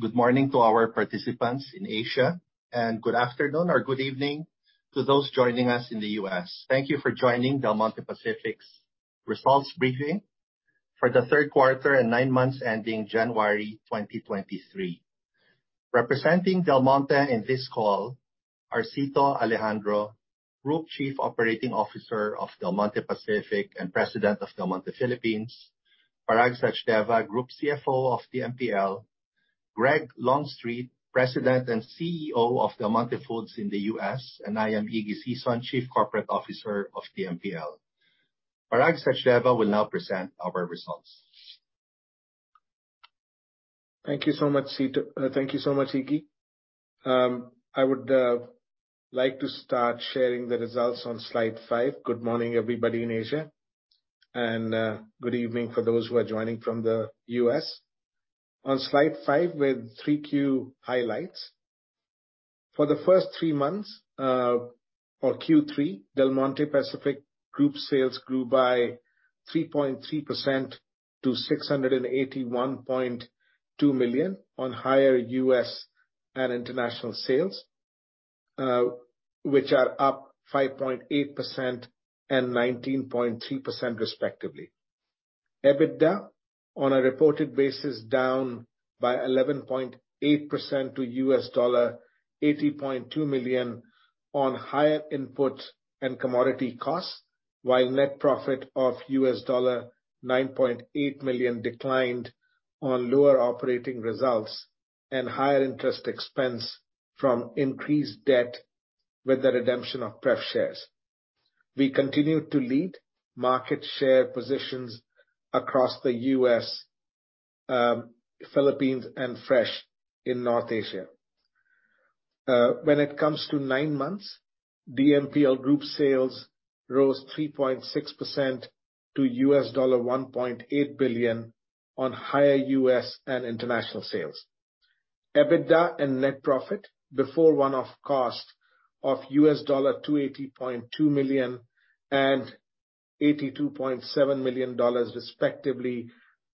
Good morning to our participants in Asia, and good afternoon or good evening to those joining us in the US. Thank you for joining Del Monte Pacific's results briefing for the third quarter and nine months ending January 2023. Representing Del Monte in this call are Cito Alejandro, Group Chief Operating Officer of Del Monte Pacific and President of Del Monte Philippines, Parag Sachdeva, Group CFO of DMPL, Greg Longstreet, President and CEO of Del Monte Foods in the US, and I am Iggy Sison, Chief Corporate Officer of DMPL. Parag Sachdeva will now present our results. Thank you so much, Iggy. Thank you so much, Iggy. I would like to start sharing the results on slide five. Good morning, everybody in Asia, good evening for those who are joining from the US. On slide five with third quarter highlights. For the first three months, or third quarter, Del Monte Pacific group sales grew by 3.3% to $681.2 million on higher US and international sales, which are up 5.8% and 19.3% respectively. EBITDA on a reported basis down by 11.8% to $80.2 million on higher input and commodity costs, while net profit of $9.8 million declined on lower operating results and higher interest expense from increased debt with the redemption of pref shares. We continue to lead market share positions across the US, Philippines, and fresh in North Asia. When it comes to nine months, DMPL group sales rose 3.6% to $1.8 billion on higher US and international sales. EBITDA and net profit before one-off cost of $280.2 million and $82.7 million respectively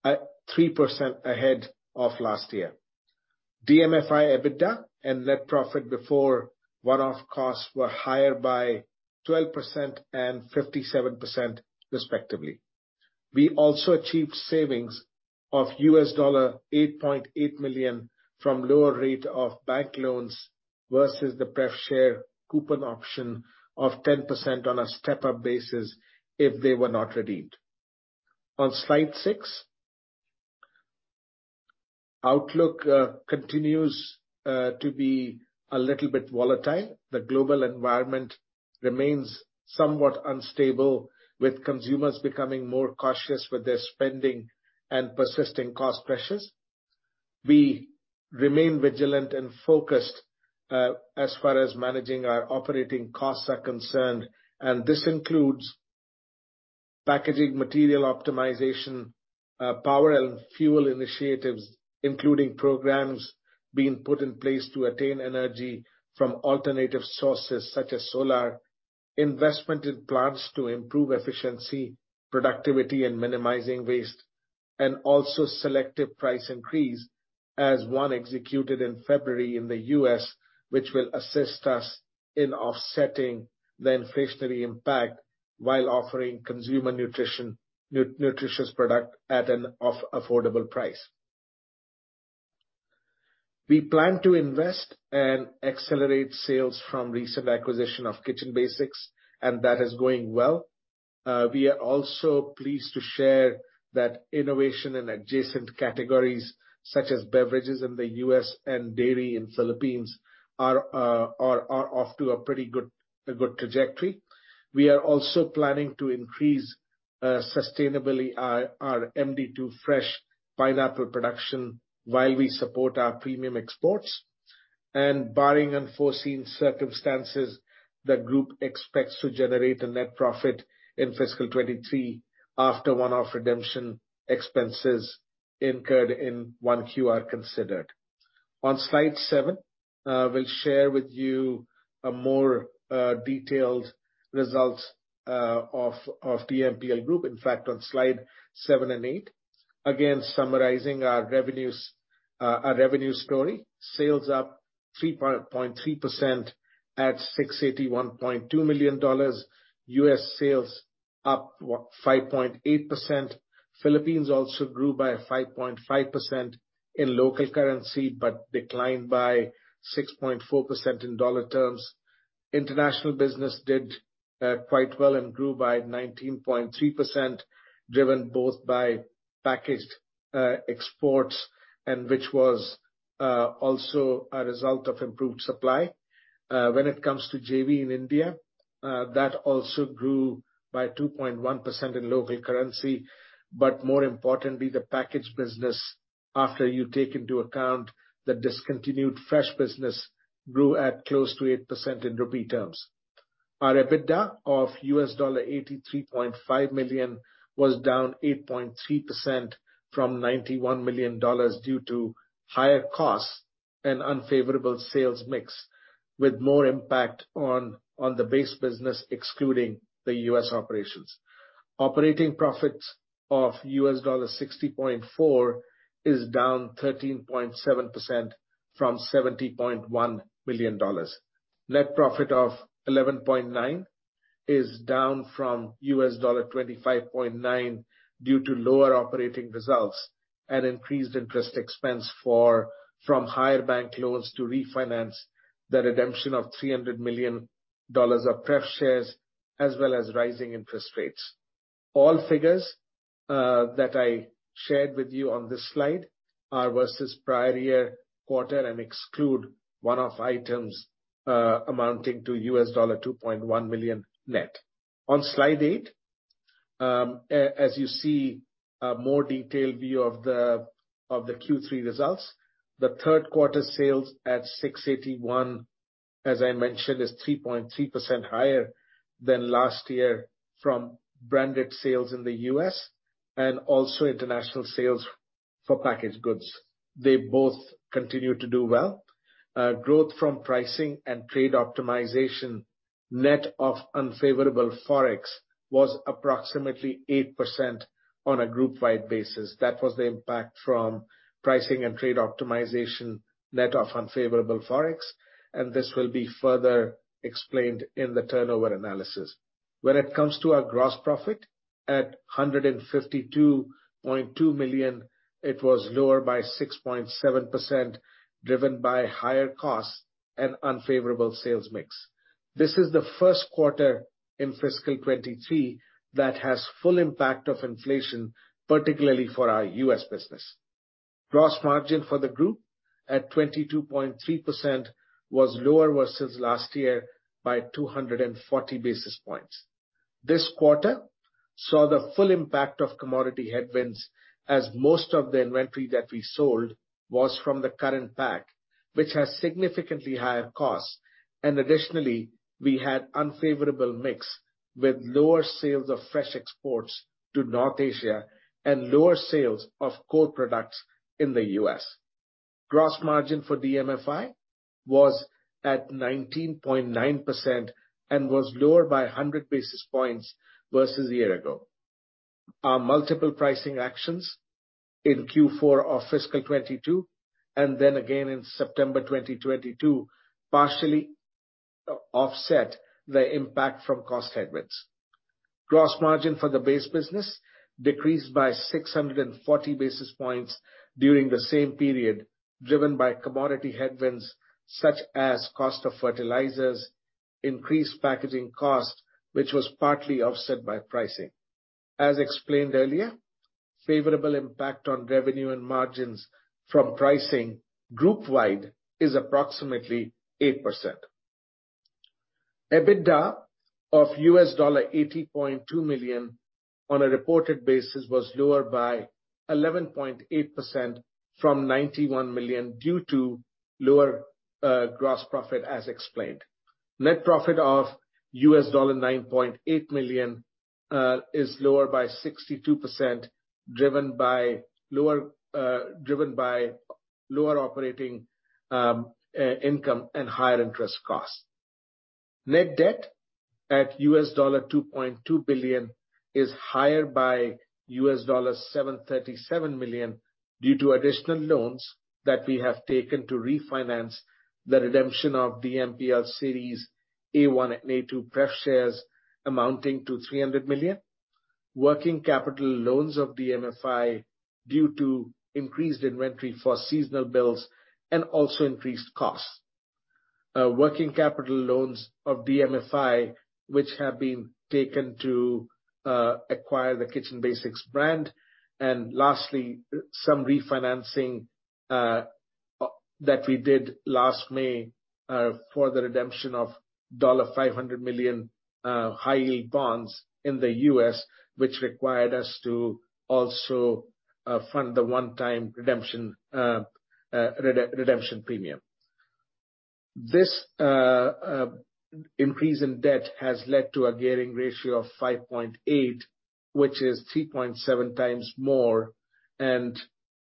at 3% ahead of last year. DMFI EBITDA and net profit before one-off costs were higher by 12% and 57% respectively. We also achieved savings of $8.8 million from lower rate of bank loans versus the pref share coupon option of 10% on a step-up basis if they were not redeemed. On slide six, outlook continues to be a little bit volatile. The global environment remains somewhat unstable, with consumers becoming more cautious with their spending and persisting cost pressures. We remain vigilant and focused as far as managing our operating costs are concerned. This includes packaging material optimization, power and fuel initiatives, including programs being put in place to attain energy from alternative sources such as solar, investment in plants to improve efficiency, productivity and minimizing waste. Also selective price increase as one executed in February in the US, which will assist us in offsetting the inflationary impact while offering consumer nutritious product at an affordable price. We plan to invest and accelerate sales from recent acquisition of Kitchen Basics. That is going well. We are also pleased to share that innovation in adjacent categories, such as beverages in the US and dairy in Philippines are off to a pretty good trajectory. We are also planning to increase sustainably our MD2 fresh pineapple production while we support our premium exports. Barring unforeseen circumstances, the group expects to generate a net profit in fiscal 2023 after one-off redemption expenses incurred in first quarter considered. On slide seven, we'll share with you a more detailed results of DMPL group. In fact, on slide seven and eight, again, summarizing our revenues, our revenue story. Sales up 3.3% at $681.2 million. US sales up what? 5.8%. Philippines also grew by 5.5% in local currency but declined by 6.4% in dollar terms. International business did quite well and grew by 19.3%, driven both by packaged exports and which was also a result of improved supply. When it comes to JV in India, that also grew by 2.1% in local currency. More importantly, the packaged business after you take into account the discontinued fresh business grew at close to 8% in INR terms. Our EBITDA of $83.5 million was down 8.3% from $91 million due to higher costs and unfavorable sales mix, with more impact on the base business, excluding the US operations. Operating profits of $60.4 is down 13.7% from $70.1 million. Net profit of $11.9 is down from $25.9 due to lower operating results and increased interest expense from higher bank loans to refinance the redemption of $300 million of pref shares, as well as rising interest rates. All figures that I shared with you on this slide are versus prior year quarter and exclude one-off items amounting to $2.1 million net. On slide eight, as you see a more detailed view of the, of the third quarter results, the third quarter sales at $681, as I mentioned, is 3.3% higher than last year from branded sales in the US and also international sales for packaged goods. They both continue to do well. Growth from pricing and trade optimization net of unfavorable Forex was approximately 8% on a group-wide basis. That was the impact from pricing and trade optimization net of unfavorable Forex. This will be further explained in the turnover analysis. When it comes to our gross profit at $152.2 million, it was lower by 6.7%, driven by higher costs and unfavorable sales mix. This is the first quarter in fiscal 2023 that has full impact of inflation, particularly for our US business. Gross margin for the group at 22.3% was lower versus last year by 240-basis points. This quarter saw the full impact of commodity headwinds, as most of the inventory that we sold was from the current pack, which has significantly higher costs. Additionally, we had unfavorable mix, with lower sales of fresh exports to North Asia and lower sales of core products in the US. Gross margin for DMFI was at 19.9% and was lower by 100-basis points versus a year ago. Our multiple pricing actions in fourth quarter of fiscal 2022, and then again in September 2022, partially offset the impact from cost headwinds. Gross margin for the base business decreased by 640-basis points during the same period, driven by commodity headwinds, such as cost of fertilizers, increased packaging cost, which was partly offset by pricing. As explained earlier, favorable impact on revenue and margins from pricing group wide is approximately 8%. EBITDA of $80.2 million on a reported basis was lower by 11.8% from $91 million due to lower gross profit, as explained. Net profit of $9.8 million is lower by 62%, driven by lower operating income and higher interest costs. Net debt at $2.2 billion is higher by $737 million due to additional loans that we have taken to refinance the redemption of DMPL Series A-1 and A-2 pref shares amounting to $300 million. Working capital loans of DMFI due to increased inventory for seasonal bills and also increased costs. Working capital loans of DMFI, which have been taken to acquire the Kitchen Basics brand. Lastly, some refinancing that we did last May for the redemption of $500 million high yield bonds in the US, which required us to also fund the one-time redemption redemption premium. This increase in debt has led to a gearing ratio of 5.8%, which is 3.7x more.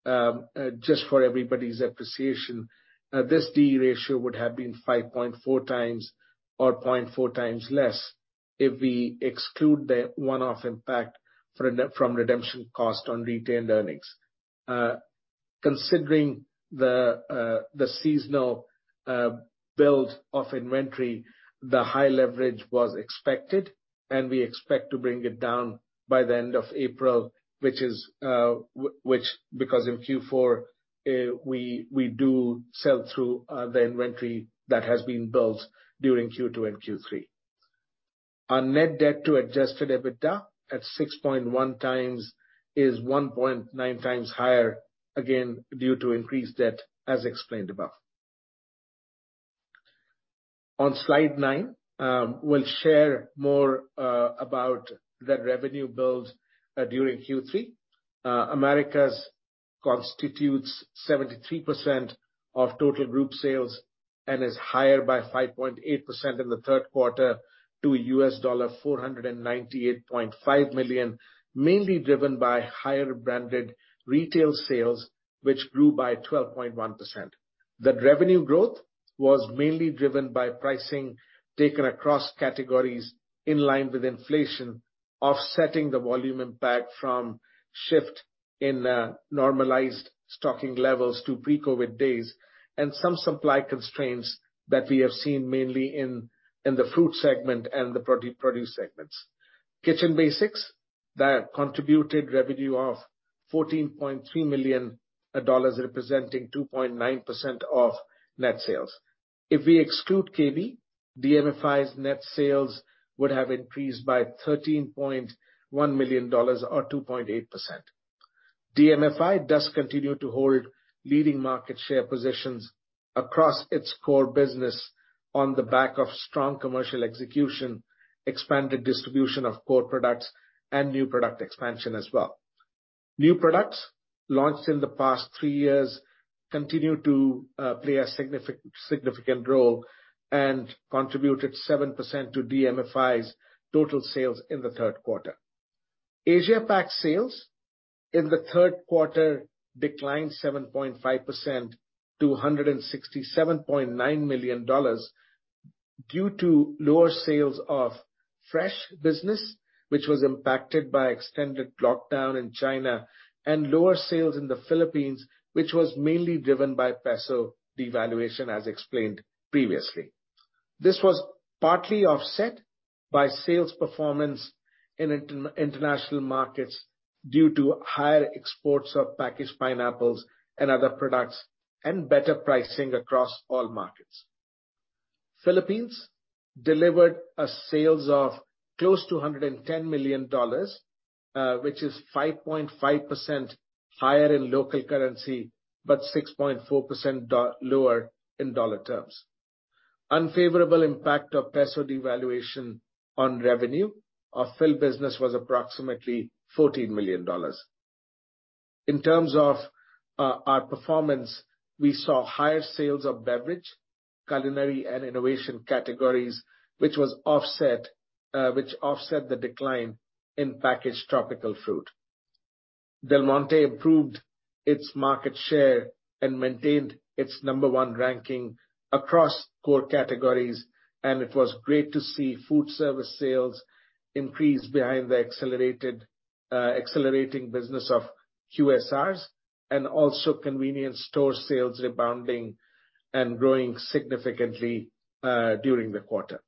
Just for everybody's appreciation, this D ratio would have been 5.4x or 0.4x less if we exclude the one-off impact from redemption cost on retained earnings. Considering the seasonal build of inventory, the high leverage was expected, we expect to bring it down by the end of April, which is because in fourth quarter, we do sell through the inventory that has been built during second quarter and third quarter. Our net debt to adjusted EBITDA at 6.1x is 1.9x higher, again, due to increased debt, as explained above. On slide nine, we'll share more about the revenue build during third quarter. Americas constitutes 73% of total group sales. Is higher by 5.8% in the third quarter to $498.5 million, mainly driven by higher branded retail sales, which grew by 12.1%. That revenue growth was mainly driven by pricing taken across categories in line with inflation, offsetting the volume impact from shift in normalized stocking levels to pre-COVID days and some supply constraints that we have seen mainly in the fruit segment and the produce segments. Kitchen Basics that contributed revenue of $14.3 million representing 2.9% of net sales. If we exclude KB, DMFI's net sales would have increased by $13.1 million or 2.8%. DMFI does continue to hold leading market share positions across its core business on the back of strong commercial execution, expanded distribution of core products and new product expansion as well. New products launched in the past three years continue to play a significant role and contributed 7% to DMFI's total sales in the third quarter. Asia PAC sales in the third quarter declined 7.5% to $167.9 million due to lower sales of fresh business, which was impacted by extended lockdown in China and lower sales in the Philippines, which was mainly driven by peso devaluation, as explained previously. This was partly offset by sales performance in inter-international markets due to higher exports of packaged pineapples and other products, and better pricing across all markets. Philippines delivered a sales of close to $110 million, which is 5.5% higher in local currency, but 6.4% lower in dollar terms. Unfavorable impact of peso devaluation on revenue of Philippine business was approximately $14 million. In terms of our performance, we saw higher sales of beverage, culinary and innovation categories, which was offset, which offset the decline in packaged tropical fruit. Del Monte improved its market share and maintained its number one ranking across core categories, and it was great to see food service sales increase behind the accelerated, accelerating business of QSRs and also convenience store sales rebounding and growing significantly during the quarter.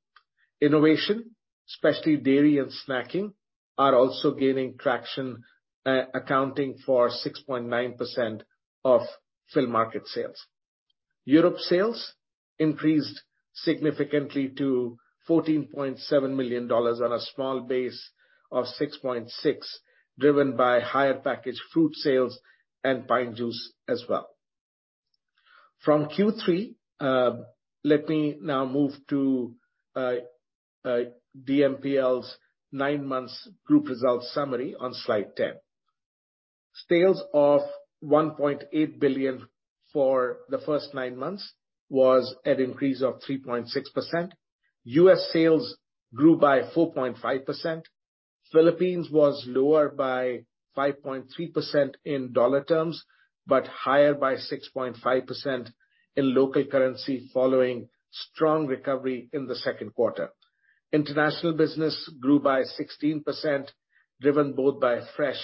Innovation, especially dairy and snacking, are also gaining traction, accounting for 6.9% of Philippine market sales. Europe sales increased significantly to $14.7 million on a small base of $6.6 million, driven by higher packaged fruit sales and pine juice as well. From third quarter, let me now move to DMPL's nine months group results summary on slide 10. Sales of $1.8 billion for the first nine months was an increase of 3.6%. US sales grew by 4.5%. Philippines was lower by 5.3% in dollar terms, higher by 6.5% in local currency following strong recovery in the second quarter. International business grew by 16%, driven both by fresh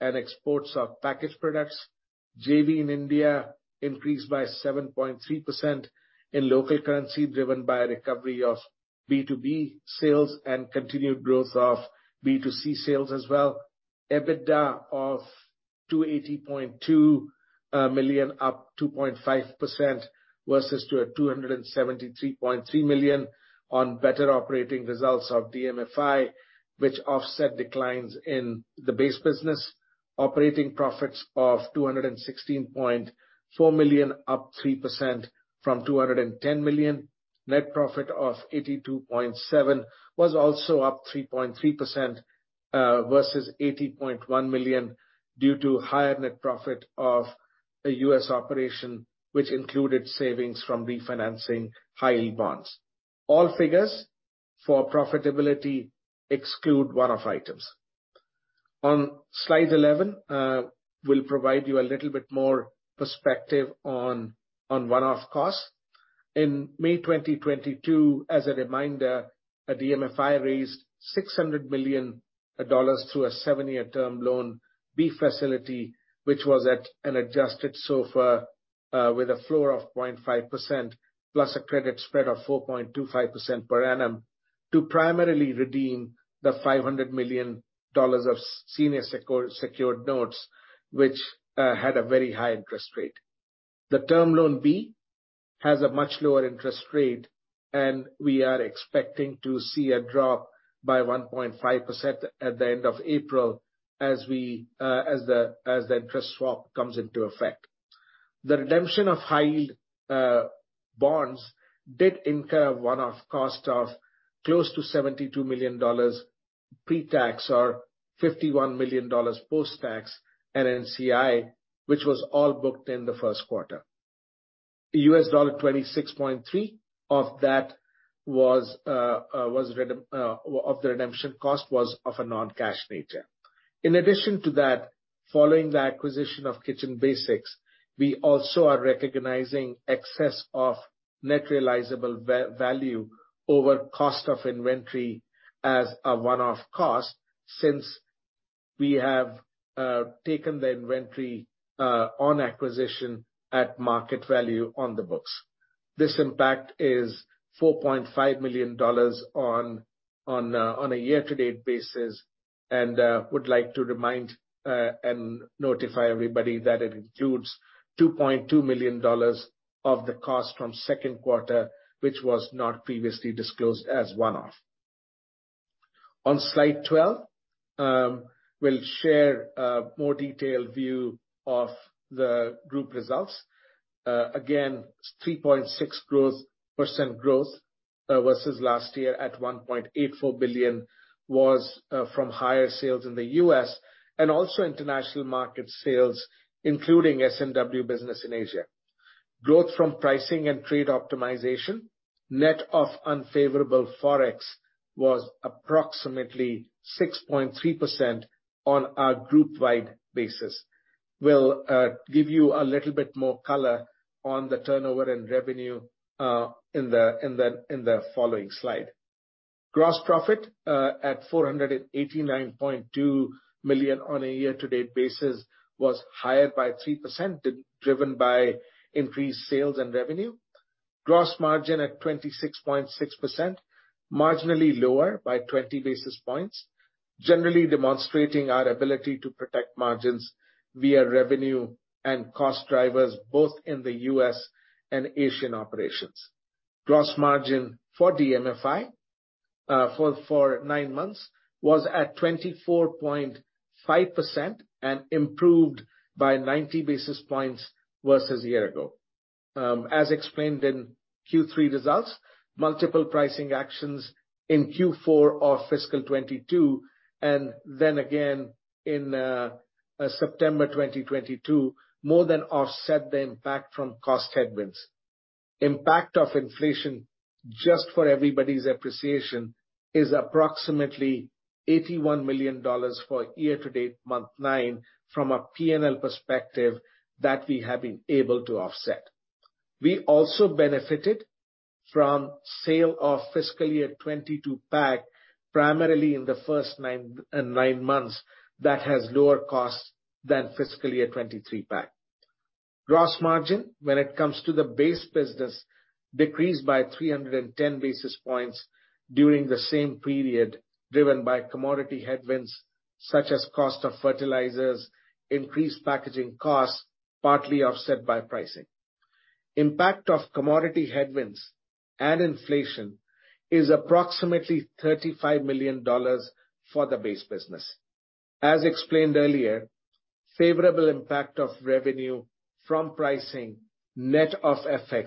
and exports of packaged products. JV in India increased by 7.3% in local currency, driven by recovery of B2B sales and continued growth of B2C sales as well. EBITDA of $280.2 million, up 2.5% versus $273.3 million on better operating results of DMFI, which offset declines in the base business. Operating profits of $216.4 million, up 3% from $210 million. Net profit of $82.7 million was also up 3.3% versus $80.1 million due to higher net profit of a US operation, which included savings from refinancing high-yield bonds. All figures for profitability exclude one-off items. On slide 11, we'll provide you a little bit more perspective on one-off costs. In May 2022, as a reminder, DMFI raised $600 million through a seven-year Term Loan B facility, which was at an adjusted SOFR with a floor of 0.5% plus a credit spread of 4.25% per annum to primarily redeem the $500 million of senior secured notes, which had a very high interest rate. The Term Loan B has a much lower interest rate. We are expecting to see a drop by 1.5% at the end of April as the interest swap comes into effect. The redemption of high yield bonds did incur one-off cost of close to $72 million. Pre-tax are $51 million post-tax at NCI, which was all booked in the first quarter. The $26.3 of that was of the redemption cost was of a non-cash nature. In addition to that, following the acquisition of Kitchen Basics, we also are recognizing excess of net realizable value over cost of inventory as a one-off cost since we have taken the inventory on acquisition at market value on the books. This impact is $4.5 million on a year-to-date basis. Would like to remind and notify everybody that it includes $2.2 million of the cost from second quarter, which was not previously disclosed as one-off. On slide 12, we'll share a more detailed view of the group results. Again, 3.6% growth versus last year at $1.84 billion was from higher sales in the US and also international market sales, including S&W business in Asia. Growth from pricing and trade optimization, net of unfavorable Forex was approximately 6.3% on a group-wide basis. We'll give you a little bit more color on the turnover and revenue in the following slide. Gross profit at $489.2 million on a year-to-date basis was higher by 3%, driven by increased sales and revenue. Gross margin at 26.6%, marginally lower by 20-basis points, generally demonstrating our ability to protect margins via revenue and cost drivers both in the US and Asian operations. Gross margin for DMFI for nine months was at 24.5% and improved by 90-basis points versus a year ago. As explained in third quarter results, multiple pricing actions in fourth quarter of fiscal 2022, and then again in September 2022, more than offset the impact from cost headwinds. Impact of inflation, just for everybody's appreciation, is approximately $81 million for year-to-date month nine from a P&L perspective that we have been able to offset. We also benefited from sale of fiscal year 2022 pack, primarily in the first nine months that has lower costs than fiscal year 2023 pack. Gross margin, when it comes to the base business, decreased by 310-basis points during the same period, driven by commodity headwinds such as cost of fertilizers, increased packaging costs, partly offset by pricing. Impact of commodity headwinds and inflation is approximately $35 million for the base business. As explained earlier, favorable impact of revenue from pricing, net of FX,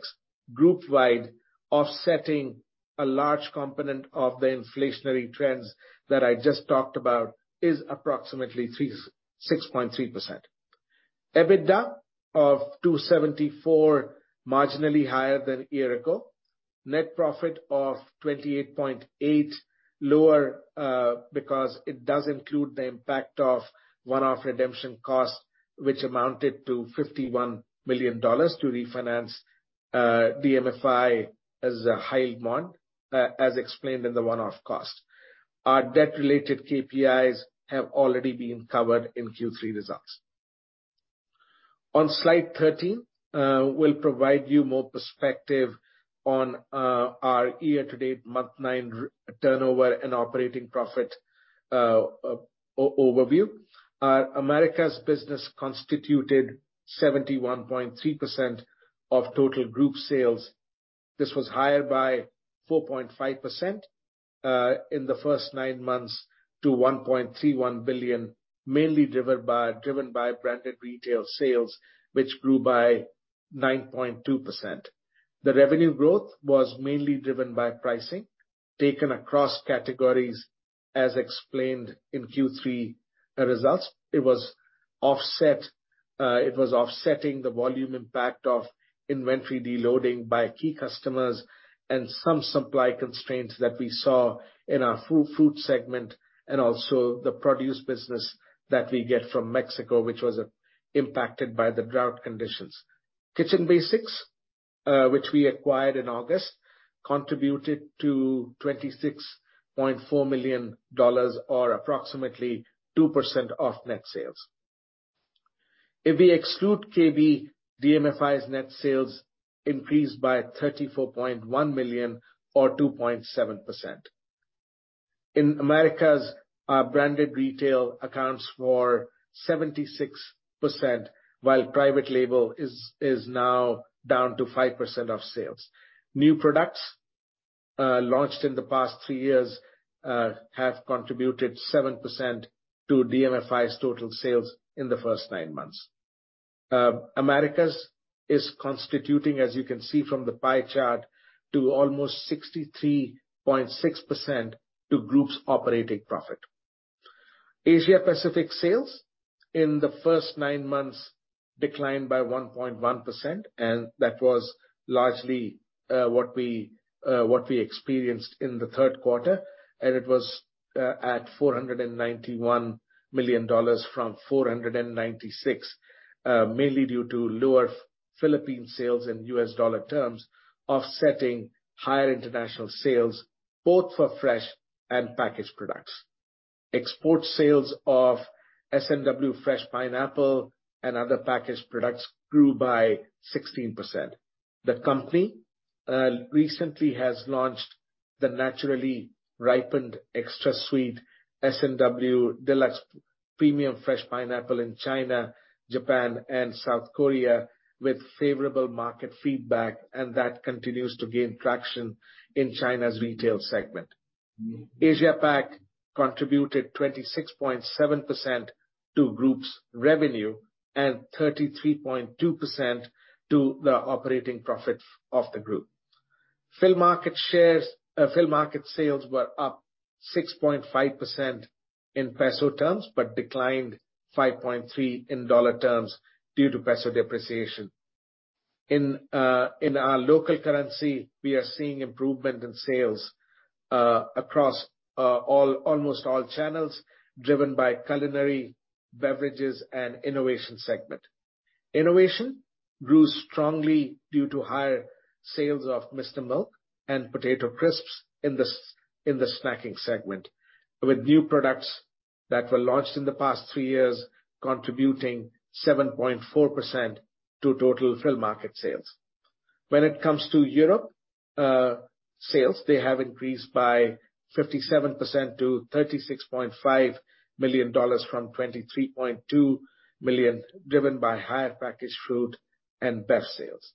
group-wide offsetting a large component of the inflationary trends that I just talked about is approximately 6.3%. EBITDA of $274, marginally higher than a year ago. Net profit of $28.8, lower, because it does include the impact of one-off redemption costs, which amounted to $51 million to refinance DMFI as a high bond, as explained in the one-off cost. Our debt-related KPIs have already been covered in third quarter results. On slide 13, we'll provide you more perspective on our year-to-date month nine turnover and operating profit overview. America's business constituted 71.3% of total group sales. This was higher by 4.5% in the first nine months to $1.31 billion, mainly driven by branded retail sales, which grew by 9.2%. The revenue growth was mainly driven by pricing taken across categories as explained in third quarter results. It was offsetting the volume impact of inventory de-loading by key customers and some supply constraints that we saw in our food segment and also the produce business that we get from Mexico, which was impacted by the drought conditions. Kitchen Basics, which we acquired in August, contributed to $26.4 million or approximately 2% of net sales. If we exclude KB, DMFI's net sales increased by $34.1 million or 2.7%. In Americas, our branded retail accounts for 76%, while private label is now down to 5% of sales. New products launched in the past three years have contributed 7% to DMFI's total sales in the first nine months. Americas is constituting, as you can see from the pie chart, to almost 63.6% to group's operating profit. Asia Pacific sales in the first nine months declined by 1.1%, that was largely what we experienced in the third quarter. It was at $491 million from $496 million, mainly due to lower Philippine sales in US dollar terms, offsetting higher international sales both for fresh and packaged products. Export sales of S&W fresh pineapple and other packaged products grew by 16%. The company recently has launched the naturally ripened extra sweet S&W Deluxe premium fresh pineapple in China, Japan, and South Korea with favorable market feedback. That continues to gain traction in China's retail segment. Asia Pac contributed 26.7% to group's revenue and 33.2% to the operating profit of the group. Fill market sales were up 6.5% in peso terms, but declined 5.3% in dollar terms due to peso depreciation. In our local currency, we are seeing improvement in sales across almost all channels, driven by culinary, beverages, and innovation segment. Innovation grew strongly due to higher sales of Mr. Milk and potato crisps in the snacking segment, with new products that were launched in the past three years contributing 7.4% to total fill market sales. When it comes to Europe, sales have increased by 57% to $36.5 million from $23.2 million, driven by higher packaged fruit and bev sales.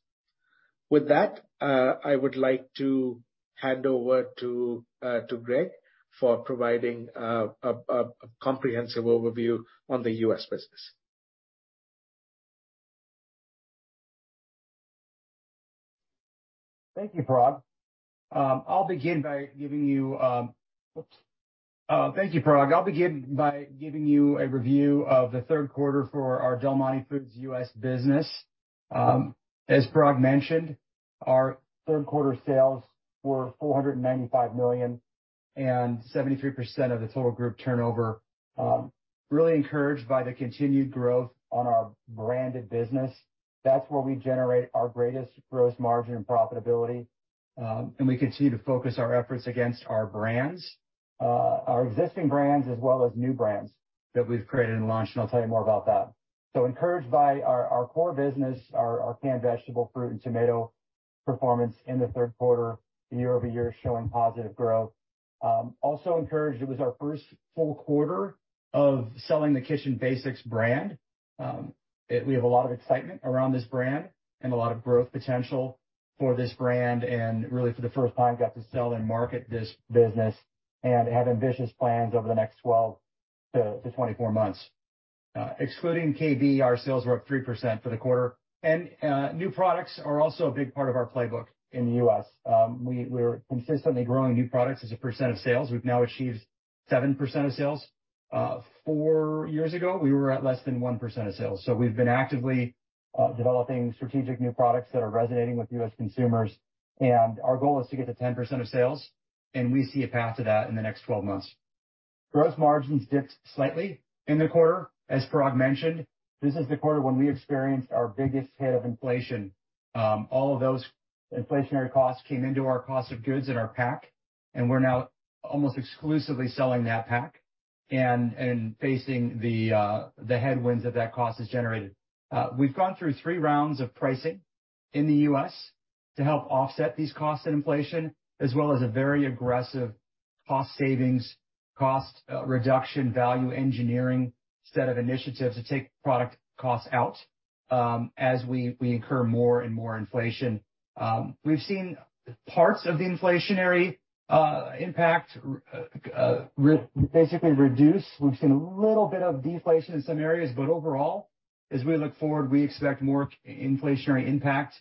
With that, I would like to hand over to Greg for providing a comprehensive overview on the US business. Thank you, Parag. I'll begin by giving you a review of the third quarter for our Del Monte Foods US business. As Parag mentioned, our third quarter sales were $495 million, and 73% of the total group turnover, really encouraged by the continued growth on our branded business. That's where we generate our greatest gross margin and profitability. We continue to focus our efforts against our brands, our existing brands, as well as new brands that we've created and launched, and I'll tell you more about that. Encouraged by our core business, our canned vegetable, fruit, and tomato performance in the third quarter year-over-year showing positive growth. Also encouraged, it was our first full quarter of selling the Kitchen Basics brand. We have a lot of excitement around this brand and a lot of growth potential for this brand. Really, for the first time, got to sell and market this business and have ambitious plans over the next 12 to 24 months. Excluding KB, our sales were up 3% for the quarter. New products are also a big part of our playbook in the US We're consistently growing new products as a percent of sales. We've now achieved 7% of sales. Four years ago, we were at less than 1% of sales. We've been actively developing strategic new products that are resonating with US consumers, and our goal is to get to 10% of sales, and we see a path to that in the next 12 months. Gross margins dipped slightly in the quarter, as Parag mentioned. This is the quarter when we experienced our biggest hit of inflation. All of those inflationary costs came into our cost of goods in our pack, and we're now almost exclusively selling that pack and facing the headwinds that that cost has generated. We've gone through three rounds of pricing in the US to help offset these costs and inflation, as well as a very aggressive cost savings, cost reduction, value engineering set of initiatives to take product costs out, as we incur more and more inflation. We've seen parts of the inflationary impact basically reduce. We've seen a little bit of deflation in some areas. Overall, as we look forward, we expect more inflationary impact,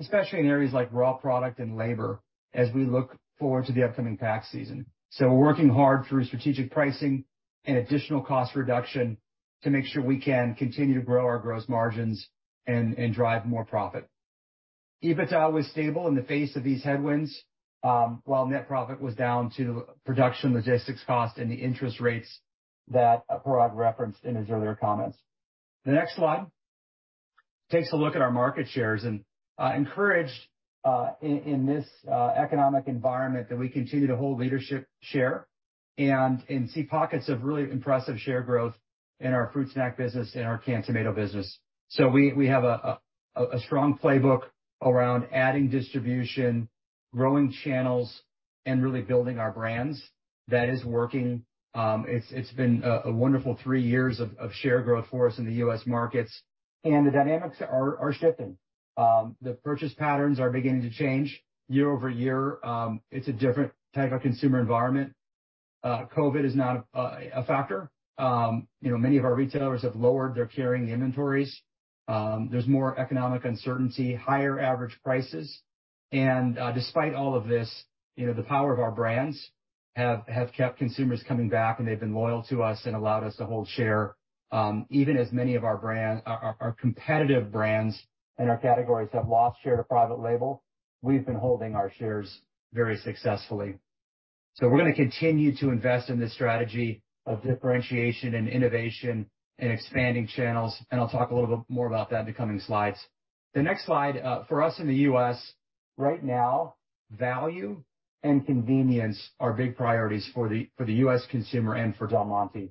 especially in areas like raw product and labor, as we look forward to the upcoming pack season. We're working hard through strategic pricing and additional cost reduction to make sure we can continue to grow our gross margins and drive more profit. EBITDA was stable in the face of these headwinds, while net profit was down to production, logistics cost, and the interest rates that Parag referenced in his earlier comments. The next slide takes a look at our market shares. Encouraged, in this economic environment that we continue to hold leadership share and see pockets of really impressive share growth in our fruit snack business and our canned tomato business. We have a strong playbook around adding distribution, growing channels, and really building our brands. That is working. It's been a wonderful three years of share growth for us in the US markets. The dynamics are shifting. The purchase patterns are beginning to change year-over-year. It's a different type of consumer environment. COVID is not a factor. You know, many of our retailers have lowered their carrying inventories. There's more economic uncertainty, higher average prices, and despite all of this, you know, the power of our brands have kept consumers coming back, and they've been loyal to us and allowed us to hold share. Even as many of our competitive brands and our categories have lost share to private label, we've been holding our shares very successfully. We're gonna continue to invest in this strategy of differentiation and innovation and expanding channels, and I'll talk a little bit more about that in the coming slides. The next slide. For us in the US, right now, value and convenience are big priorities for the, for the US consumer and for Del Monte.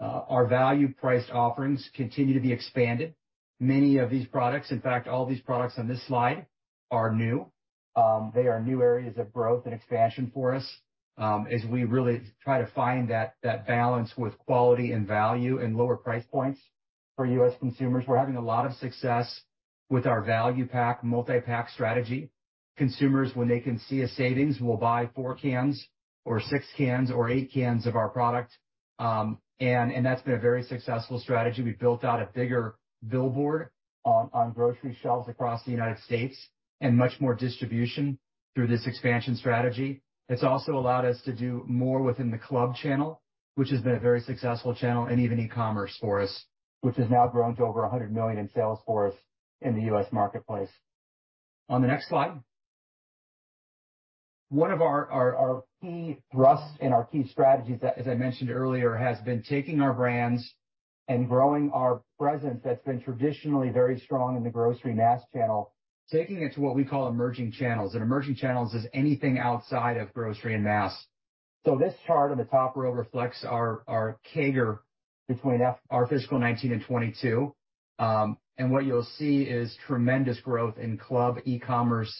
Our value-priced offerings continue to be expanded. Many of these products, in fact, all these products on this slide are new. They are new areas of growth and expansion for us, as we really try to find that balance with quality and value and lower price points for US consumers. We're having a lot of success with our value pack, multi-pack strategy. Consumers, when they can see a savings, will buy four cans or six cans or eight cans of our product. That's been a very successful strategy. We built out a bigger billboard on grocery shelves across the United States and much more distribution through this expansion strategy. It's also allowed us to do more within the club channel, which has been a very successful channel, and even e-commerce for us, which has now grown to over $100 million in sales for us in the US marketplace. On the next slide. One of our key thrusts and our key strategies that, as I mentioned earlier, has been taking our brands and growing our presence that's been traditionally very strong in the grocery mass channel, taking it to what we call emerging channels. Emerging channels is anything outside of grocery and mass. This chart on the top row reflects our CAGR between our fiscal 2019 and 2022. What you'll see is tremendous growth in club e-commerce,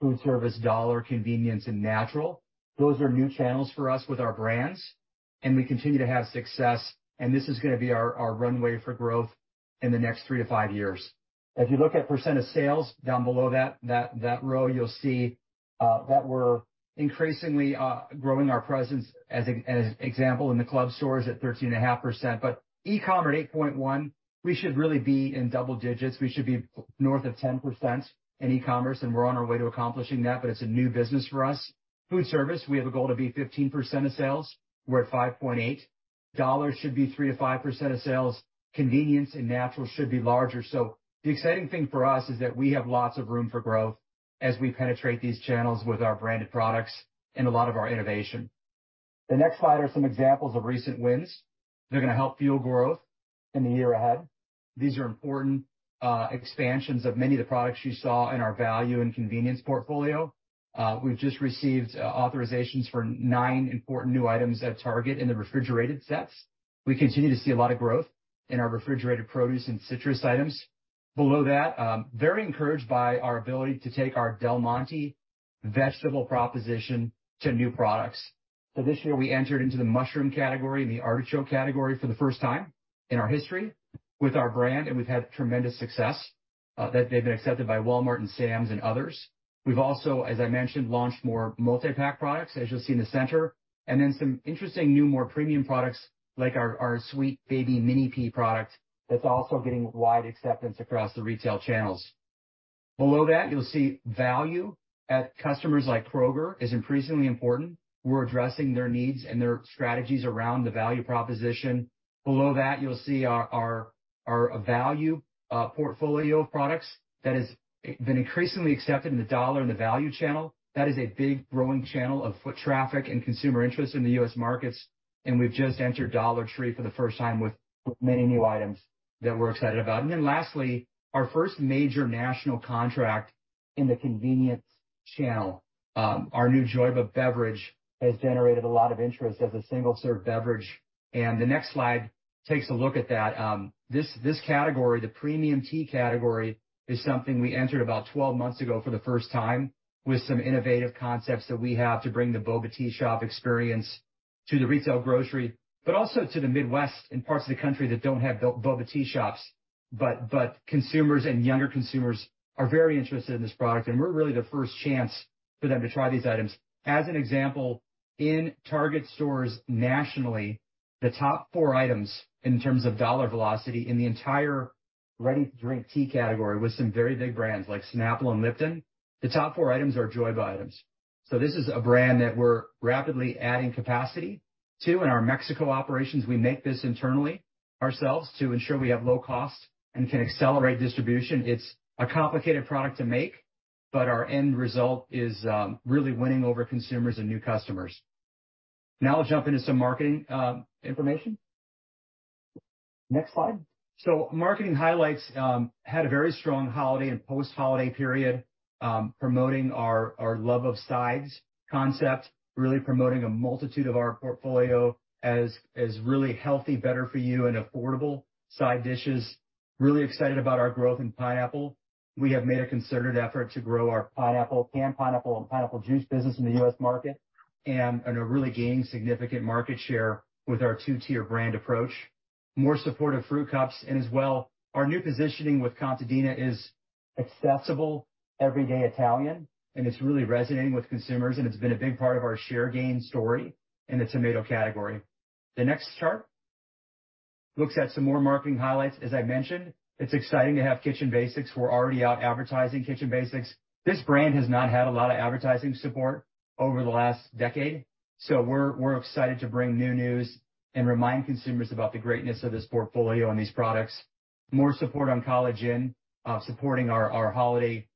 food service, dollar, convenience, and natural. Those are new channels for us with our brands, and we continue to have success, and this is gonna be our runway for growth in the next three to five years. If you look at percent of sales down below that row, you'll see that we're increasingly growing our presence as example in the club stores at 13.5%. E-commerce at 8.1%, we should really be in double digits. We should be north of 10% in e-commerce, and we're on our way to accomplishing that, but it's a new business for us. Foodservice, we have a goal to be 15% of sales. We're at 5.8%. Dollars should be 3% to 5% of sales. Convenience and natural should be larger. The exciting thing for us is that we have lots of room for growth as we penetrate these channels with our branded products and a lot of our innovation. The next slide are some examples of recent wins that are gonna help fuel growth in the year ahead. These are important expansions of many of the products you saw in our value and convenience portfolio. We've just received authorizations for nine important new items at Target in the refrigerated sets. We continue to see a lot of growth in our refrigerated produce and citrus items. Below that, very encouraged by our ability to take our Del Monte vegetable proposition to new products. This year, we entered into the mushroom category and the artichoke category for the first time in our history with our brand, and we've had tremendous success that they've been accepted by Walmart and Sam's and others. We've also, as I mentioned, launched more multi-pack products, as you'll see in the center, and then some interesting new, more premium products like our Sweet Baby Mini Pea product that's also getting wide acceptance across the retail channels. Below that, you'll see value at customers like Kroger is increasingly important. We're addressing their needs and their strategies around the value proposition. Below that, you'll see our value portfolio of products that has been increasingly accepted in the dollar and the value channel. That is a big growing channel of foot traffic and consumer interest in the US markets. We've just entered Dollar Tree for the first time with many new items that we're excited about. Lastly, our first major national contract in the convenience channel. Our new JOYBA beverage has generated a lot of interest as a single-serve beverage. The next slide takes a look at that. This category, the premium tea category, is something we entered about 12 months ago for the first time with some innovative concepts that we have to bring the boba tea shop experience to the retail grocery, but also to the Midwest and parts of the country that don't have boba tea shops. Consumers and younger consumers are very interested in this product, and we're really the first chance for them to try these items. As an example, in Target stores nationally, the top four items in terms of dollar velocity in the entire ready-to-drink tea category with some very big brands like Snapple and Lipton, the top four items are JOYBA items. This is a brand that we're rapidly adding capacity to. In our Mexico operations, we make this internally ourselves to ensure we have low cost and can accelerate distribution. It's a complicated product to make, but our end result is really winning over consumers and new customers. Now I'll jump into some marketing information. Next slide. Marketing highlights had a very strong holiday and post-holiday period, promoting our love of sides concept, really promoting a multitude of our portfolio as really healthy, better for you and affordable side dishes. Really excited about our growth in pineapple. We have made a concerted effort to grow our pineapple, canned pineapple and pineapple juice business in the US market and are really gaining significant market share with our two-tier brand approach. More support of fruit cups. As well, our new positioning with Contadina is accessible everyday Italian, it's really resonating with consumers, it's been a big part of our share gain story in the tomato category. The next chart looks at some more marketing highlights. As I mentioned, it's exciting to have Kitchen Basics. We're already out advertising Kitchen Basics. This brand has not had a lot of advertising support over the last decade, we're excited to bring new news and remind consumers about the greatness of this portfolio and these products. More support on College Inn, supporting our holiday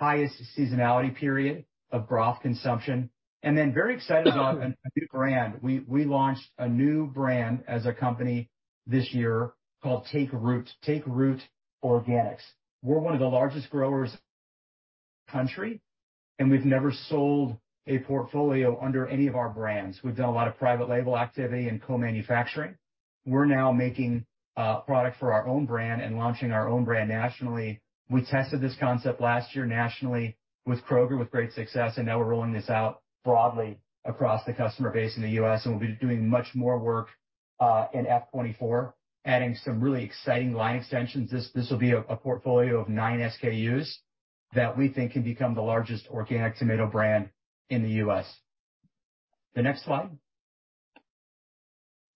highest seasonality period of broth consumption. Very excited about a new brand. We launched a new brand as a company this year called Take Root, Take Root Organics. We're one of the largest growers country, and we've never sold a portfolio under any of our brands. We've done a lot of private label activity and co-manufacturing. We're now making product for our own brand and launching our own brand nationally. We tested this concept last year nationally with Kroger, with great success, and now we're rolling this out broadly across the customer base in the US, and we'll be doing much more work in fiscal 2024, adding some really exciting line extensions. This will be a portfolio of nine SKUs that we think can become the largest organic tomato brand in the US The next slide.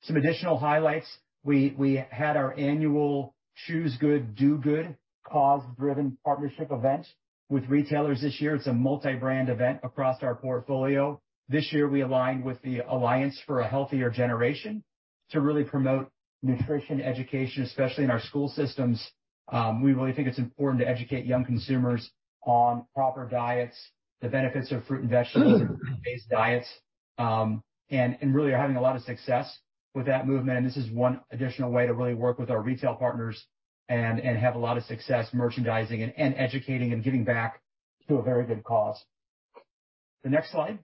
Some additional highlights. We had our annual Choose Good, Do Good cause-driven partnership event with retailers this year. It's a multi-brand event across our portfolio. This year, we aligned with the Alliance for a Healthier Generation to really promote nutrition education, especially in our school systems. We really think it's important to educate young consumers on proper diets, the benefits of fruit and vegetables and plant-based diets, and really are having a lot of success with that movement. This is one additional way to really work with our retail partners and have a lot of success merchandising and educating and giving back to a very good cause. The next slide.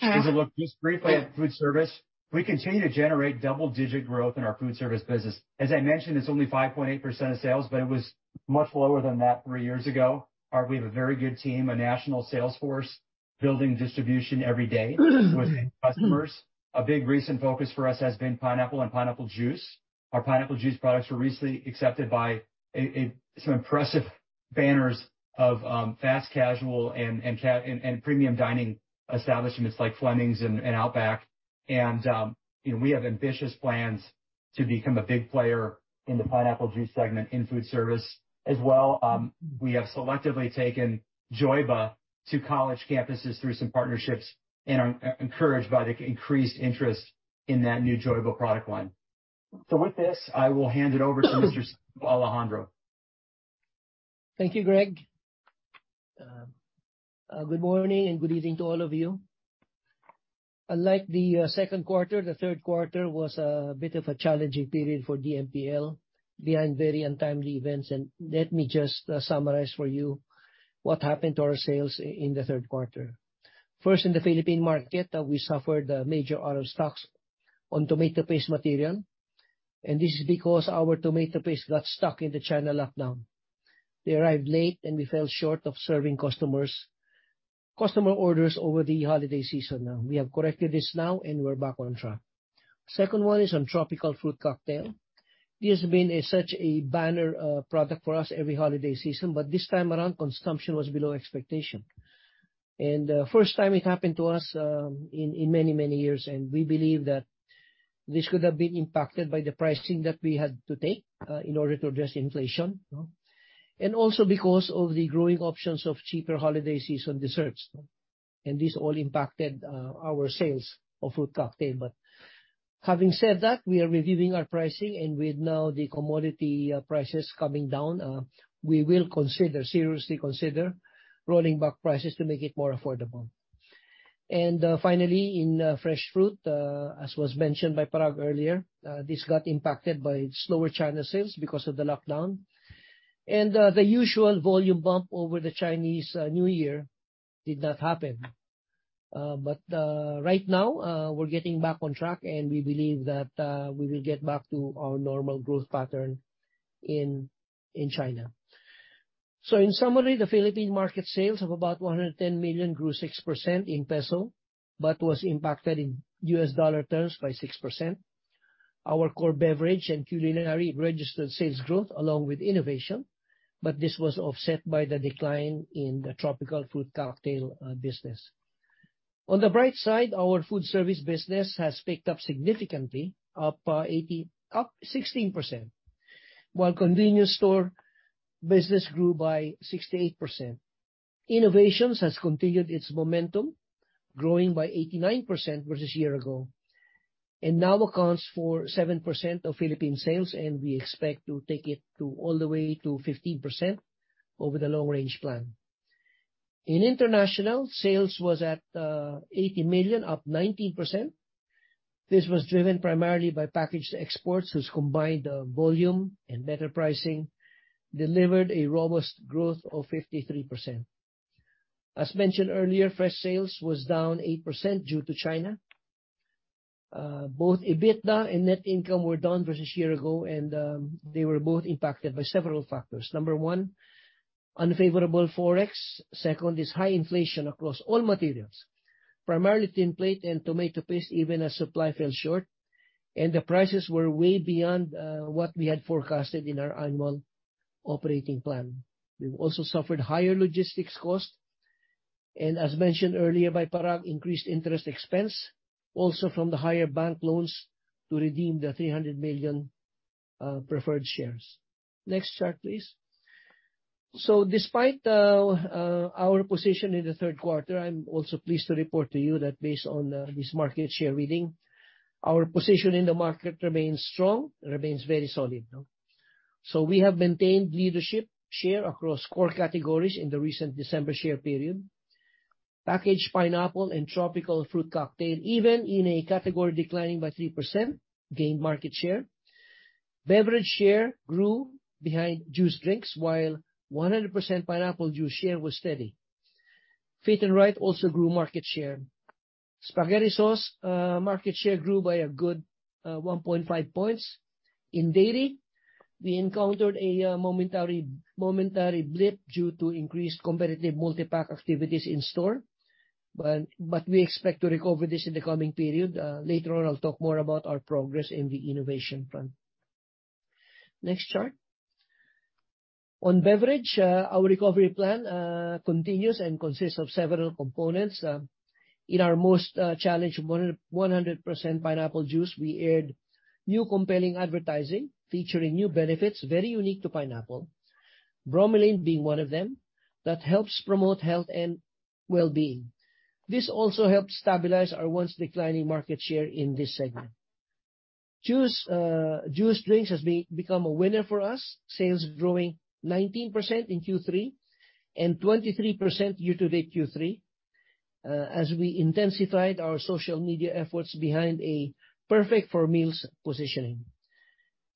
Gives a look just briefly at food service. We continue to generate double-digit growth in our food service business. As I mentioned, it's only 5.8% of sales, but it was much lower than that three years ago. We have a very good team, a national sales force, building distribution every day with customers. A big recent focus for us has been pineapple and pineapple juice. Our pineapple juice products were recently accepted by some impressive banners of fast casual and premium dining establishments like Fleming's and Outback. You know, we have ambitious plans to become a big player in the pineapple juice segment in food service as well. We have selectively taken JOYBA to college campuses through some partnerships and are encouraged by the increased interest in that new JOYBA product line. With this, I will hand it over to Mr. Alejandro. Thank you, Greg. Good morning and good evening to all of you. Unlike the second quarter, the third quarter was a bit of a challenging period for DMPL behind very untimely events. Let me just summarize for you what happened to our sales in the third quarter. First, in the Philippine market, we suffered a major out of stocks on tomato paste material. This is because our tomato paste got stuck in the China lockdown. They arrived late. We fell short of serving customer orders over the holiday season. We have corrected this now. We're back on track. Second one is on tropical fruit cocktail. This has been such a banner product for us every holiday season. This time around, consumption was below expectation. First time it happened to us in many, many years. We believe that this could have been impacted by the pricing that we had to take in order to address inflation. Also because of the growing options of cheaper holiday season desserts. This all impacted our sales of fruit cocktail. Having said that, we are reviewing our pricing, and with now the commodity prices coming down, we will consider, seriously consider rolling back prices to make it more affordable. Finally, in fresh fruit, as was mentioned by Parag earlier, this got impacted by slower China sales because of the lockdown. The usual volume bump over the Chinese New Year did not happen. Right now, we're getting back on track, we believe that we will get back to our normal growth pattern in China. In summary, the Philippine market sales of about $110 million grew 6% in peso, but was impacted in US dollar terms by 6%. Our core beverage and culinary registered sales growth along with innovation, this was offset by the decline in the tropical food cocktail business. On the bright side, our food service business has picked up significantly, up 16%, while convenience store business grew by 68%. Innovations has continued its momentum, growing by 89% versus year ago, now accounts for 7% of Philippine sales, we expect to take it to all the way to 15% over the long range plan. In international, sales was at $80 million, up 19%. This was driven primarily by packaged exports, whose combined volume and better pricing delivered a robust growth of 53%. As mentioned earlier, fresh sales was down 8% due to China. Both EBITDA and net income were down versus year ago, and they were both impacted by several factors. Number one: Unfavorable forex. Second, high inflation across all materials, primarily tin plate and tomato paste, even as supply fell short and the prices were way beyond what we had forecasted in our annual operating plan. We've also suffered higher logistics costs. As mentioned earlier by Parag, increased interest expense also from the higher bank loans to redeem the $300 million preferred shares. Next chart, please. Despite our position in the third quarter, I'm also pleased to report to you that based on this market share reading, our position in the market remains strong, remains very solid. We have maintained leadership share across core categories in the recent December share period. Packaged pineapple and tropical fruit cocktail, even in a category declining by 3%, gained market share. Beverage share grew behind juice drinks while 100% pineapple juice share was steady. Fit 'n Right also grew market share. Spaghetti sauce, market share grew by a good 1.5 points. In dairy, we encountered a momentary blip due to increased competitive multi-pack activities in store. But we expect to recover this in the coming period. Later on, I'll talk more about our progress in the innovation front. Next chart. On beverage, our recovery plan continues and consists of several components. In our most challenged 100% pineapple juice, we aired new compelling advertising featuring new benefits very unique to pineapple, bromelain being one of them, that helps promote health and well-being. This also helped stabilize our once declining market share in this segment. Juice, juice drinks has become a winner for us. Sales growing 19% in third quarter and 23% year to date third quarter, as we intensified our social media efforts behind a perfect for meals positioning.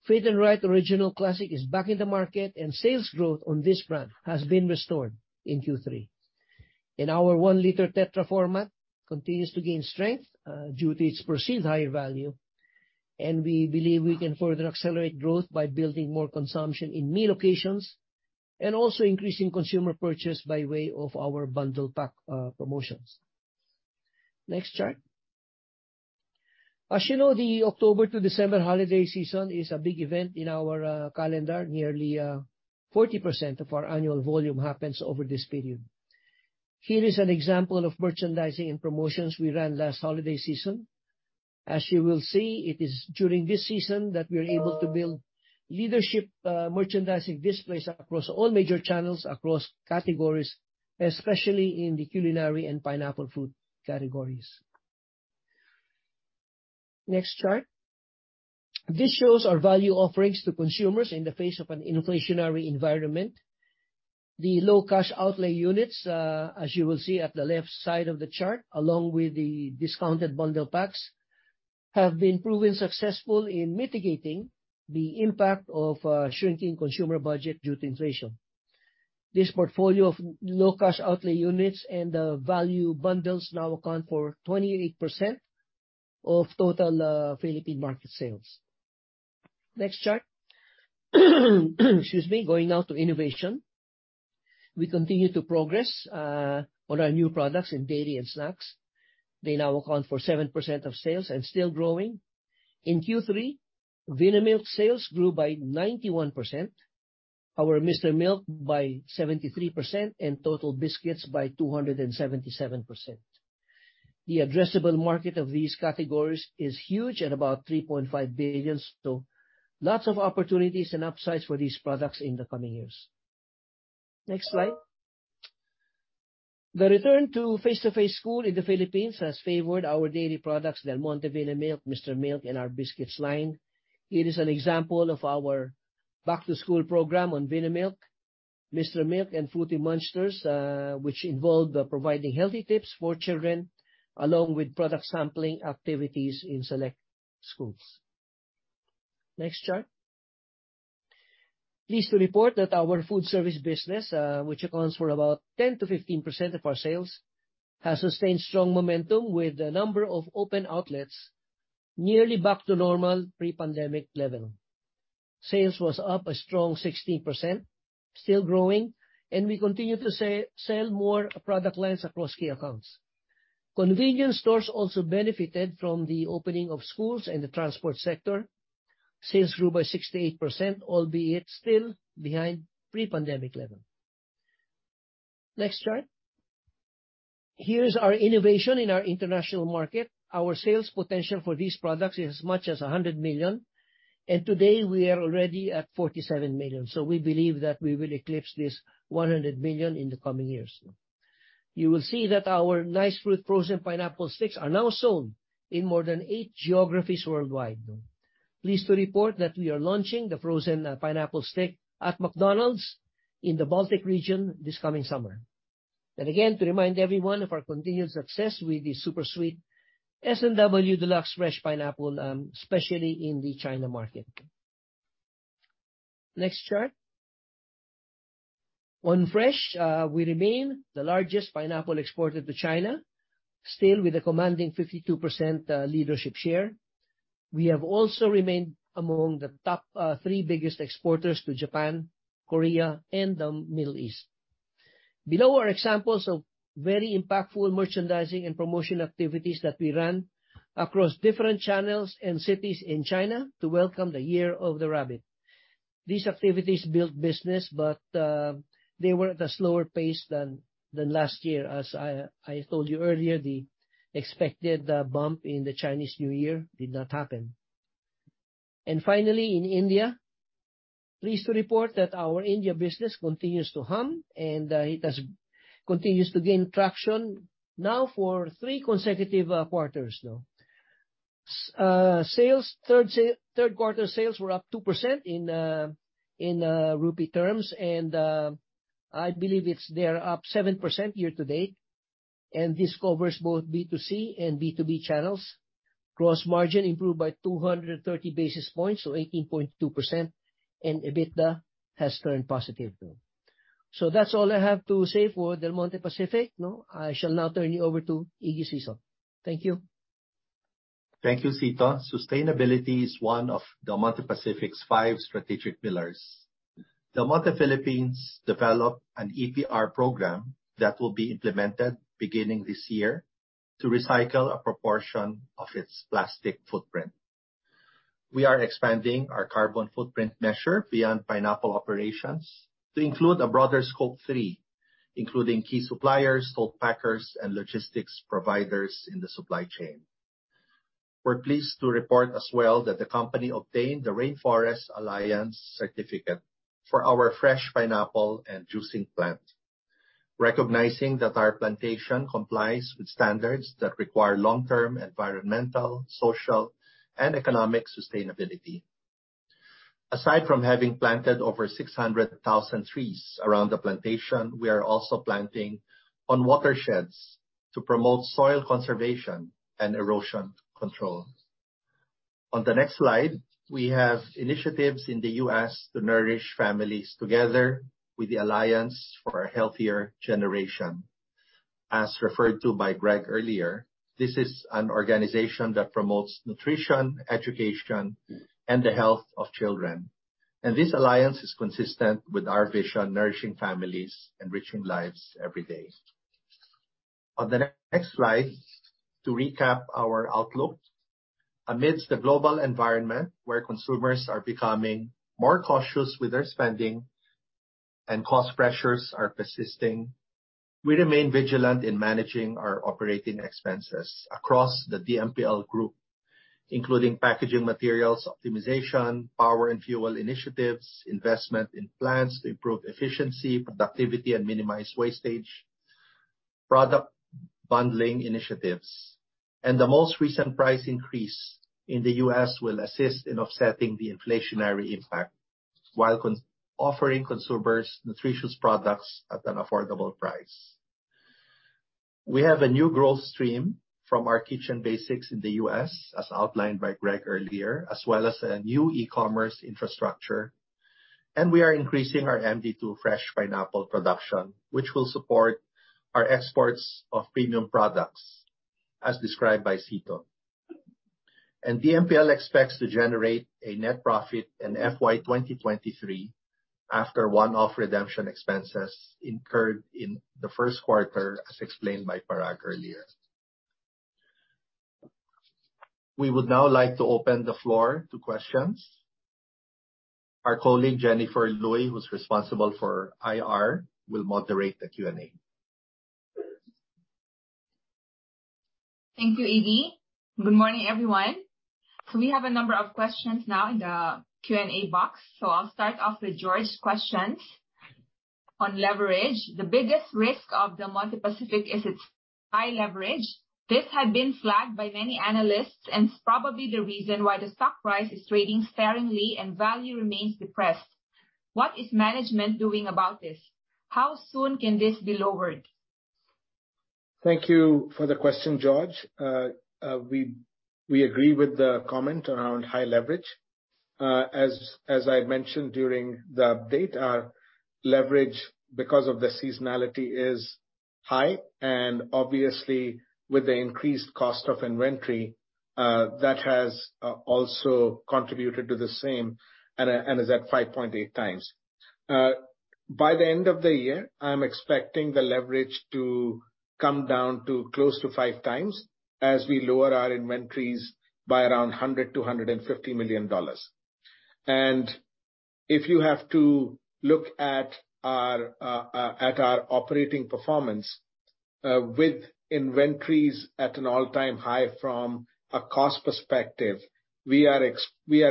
Fit 'n Right original classic is back in the market, and sales growth on this brand has been restored in third quarter. In our one liter tetra format continues to gain strength due to its perceived higher value, and we believe we can further accelerate growth by building more consumption in meal occasions and also increasing consumer purchase by way of our bundle pack promotions. Next chart. As you know, the October to December holiday season is a big event in our calendar. Nearly 40% of our annual volume happens over this period. Here is an example of merchandising and promotions we ran last holiday season. As you will see, it is during this season that we are able to build leadership merchandising displays across all major channels, across categories, especially in the culinary and pineapple food categories. Next chart. This shows our value offerings to consumers in the face of an inflationary environment. The low cash outlay units, as you will see at the left side of the chart, along with the discounted bundle packs, have been proven successful in mitigating the impact of shrinking consumer budget due to inflation. This portfolio of low cash outlay units and value bundles now account for 28% of total Philippine market sales. Next chart. Excuse me. Going now to innovation. We continue to progress on our new products in dairy and snacks. They now account for 7% of sales and still growing. In third quarter, Vinamilk sales grew by 91%, our Mr. Milk by 73%, and Total Biscuits by 277%. The addressable market of these categories is huge at about $3.5 billion, lots of opportunities and upsides for these products in the coming years. Next slide. The return to face-to-face school in the Philippines has favored our dairy products, Del Monte-Vinamilk, Mr. Milk and our biscuits line. Here is an example of our back-to-school program on Del Monte-Vinamilk, Mr. Milk and Fruity Munchsters, which involve providing healthy tips for children along with product sampling activities in select schools. Next chart. Pleased to report that our food service business, which accounts for about 10% to 15% of our sales, has sustained strong momentum with the number of open outlets nearly back to normal pre-pandemic level. Sales was up a strong 16%, still growing, and we continue to sell more product lines across key accounts. Convenience stores also benefited from the opening of schools and the transport sector. Sales grew by 68%, albeit still behind pre-pandemic level. Next chart. Here is our innovation in our international market. Our sales potential for these products is as much as $100 million, today we are already at $47 million. We believe that we will eclipse this $100 million in the coming years. You will see that our Nice Fruit frozen pineapple sticks are now sold in more than eight geographies worldwide. Pleased to report that we are launching the frozen pineapple stick at McDonald's in the Baltic region this coming summer. Again, to remind everyone of our continued success with the super sweet S&W Deluxe Fresh Pineapple, especially in the China market. Next chart. On fresh, we remain the largest pineapple exporter to China, still with a commanding 52% leadership share. We have also remained among the top three biggest exporters to Japan, Korea, and the Middle East. Below are examples of very impactful merchandising and promotion activities that we ran across different channels and cities in China to welcome the Year of the Rabbit. These activities built business, but they were at a slower pace than last year. As I told you earlier, the expected bump in the Chinese New Year did not happen. Finally, in India, pleased to report that our India business continues to hum and it continues to gain traction now for three consecutive quarters now. Third quarter sales were up 2% in INR terms. I believe they are up 7% year-to-date, and this covers both B2C and B2B channels. Gross margin improved by 230-basis points, so 18.2%, and EBITDA has turned positive. That's all I have to say for Del Monte Pacific, you know? I shall now turn you over to Iggy Sison. Thank you. Thank you, Cito. Sustainability is one of Del Monte Pacific's five strategic pillars. Del Monte Philippines developed an EPR program that will be implemented beginning this year to recycle a proportion of its plastic footprint. We are expanding our carbon footprint measure beyond pineapple operations to include a broader scope, three, including key suppliers, cold packers, and logistics providers in the supply chain. We're pleased to report as well that the company obtained the Rainforest Alliance certificate for our fresh pineapple and juicing plant. Recognizing that our plantation complies with standards that require long-term environmental, social, and economic sustainability. Aside from having planted over 600,000 trees around the plantation, we are also planting on watersheds to promote soil conservation and erosion control. On the next slide, we have initiatives in the US to nourish families together with the Alliance for a Healthier Generation. As referred to by Greg earlier, this is an organization that promotes nutrition, education, and the health of children. This alliance is consistent with our vision, nourishing families, enriching lives every day. On the next slide, to recap our outlook. Amidst the global environment where consumers are becoming more cautious with their spending and cost pressures are persisting, we remain vigilant in managing our operating expenses across the DMPL group, including packaging materials, optimization, power and fuel initiatives, investment in plants to improve efficiency, productivity, and minimize wastage, product bundling initiatives. The most recent price increase in the US will assist in offsetting the inflationary impact while offering consumers nutritious products at an affordable price. We have a new growth stream from our Kitchen Basics in the US, as outlined by Greg earlier, as well as a new e-commerce infrastructure. We are increasing our MD2 fresh pineapple production, which will support our exports of premium products, as described by Cito. DMPL expects to generate a net profit in fiscal year 2023 after one-off redemption expenses incurred in the first quarter, as explained by Parag earlier. We would now like to open the floor to questions. Our colleague, Jennifer Luy, who's responsible for IR, will moderate the Q&A. Thank you, Iggy. Good morning, everyone. We have a number of questions now in the Q&A box. I'll start off with George's questions on leverage. The biggest risk of Del Monte Pacific is its high leverage. This had been flagged by many analysts and is probably the reason why the stock price is trading sparingly and value remains depressed. What is management doing about this? How soon can this be lowered? Thank you for the question, George. We agree with the comment around high leverage. As I mentioned during the update, our leverage, because of the seasonality, is high, and obviously, with the increased cost of inventory, that has also contributed to the same and is at 5.8x. By the end of the year, I'm expecting the leverage to come down to close to 5x as we lower our inventories by around $100 to 150 million. If you have to look at our operating performance, with inventories at an all-time high from a cost perspective, we are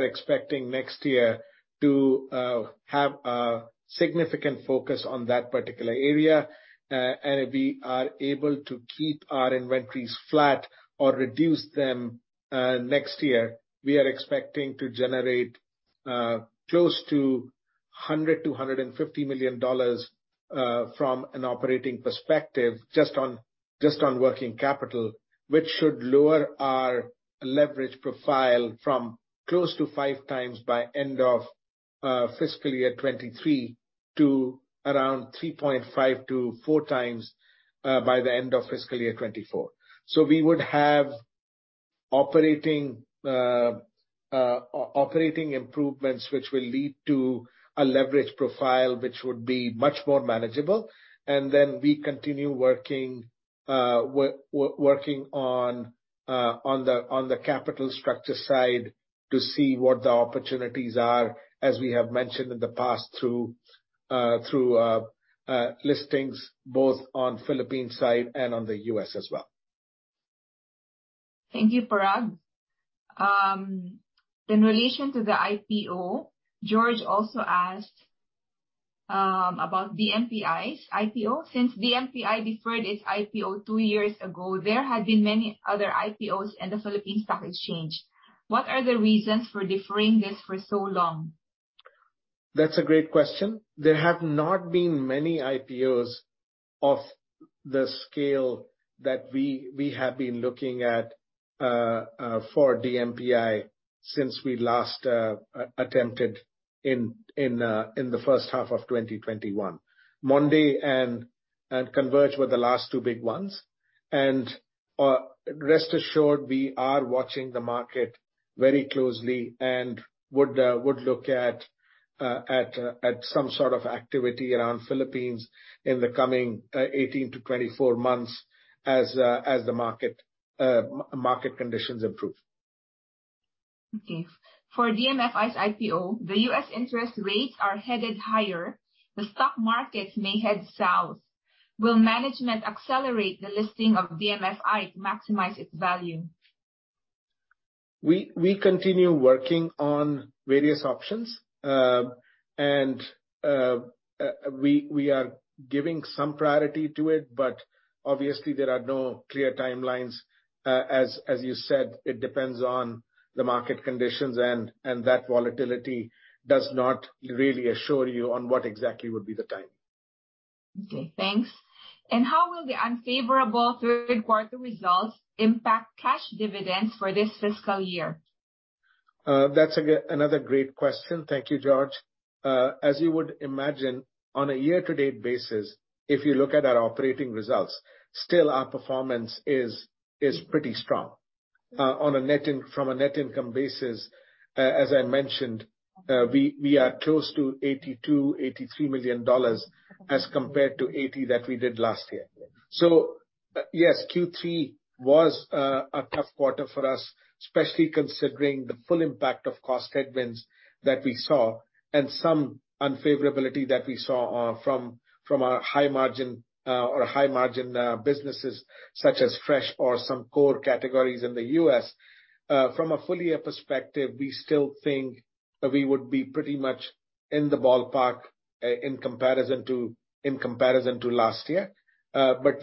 expecting next year to have a significant focus on that particular area. If we are able to keep our inventories flat or reduce them next year, we are expecting to generate close to $100 to 150 million from an operating perspective, just on working capital, which should lower our leverage profile from close to 5x by end of fiscal year 2023 to around 3.5x to 4x by the end of fiscal year 2024. We would have operating improvements which will lead to a leverage profile which would be much more manageable. We continue working on the capital structure side to see what the opportunities are, as we have mentioned in the past through listings both on Philippines side and on the US as well. Thank you, Parag. In relation to the IPO, George also asked, about DMPI's IPO. Since DMPI deferred its IPO two years ago, there have been many other IPOs in the Philippine Stock Exchange. What are the reasons for deferring this for so long? That's a great question. There have not been many IPOs of the scale that we have been looking at for DMPI since we last attempted in the first half of 2021. Monde Nissin and Converge were the last two big ones. Rest assured we are watching the market very closely and would look at some sort of activity around Philippines in the coming 18 to 24 months as the market conditions improve. Okay. For DMFI's IPO, the US interest rates are headed higher. The stock markets may head south. Will management accelerate the listing of DMFI to maximize its value? We continue working on various options, and we are giving some priority to it. Obviously, there are no clear timelines. As you said, it depends on the market conditions and that volatility does not really assure you on what exactly would be the timing. Okay, thanks. How will the unfavorable third quarter results impact cash dividends for this fiscal year? That's another great question. Thank you, George. As you would imagine, on a year-to-date basis, if you look at our operating results, still our performance is pretty strong. From a net income basis, as I mentioned, we are close to $82 to 83 million as compared to $80 million that we did last year. Yes, third quarter was a tough quarter for us, especially considering the full impact of cost headwinds that we saw and some unfavorability that we saw from our high margin, or high margin, businesses such as Fresh or some core categories in the US. From a full year perspective, we still think that we would be pretty much in the ballpark in comparison to last year.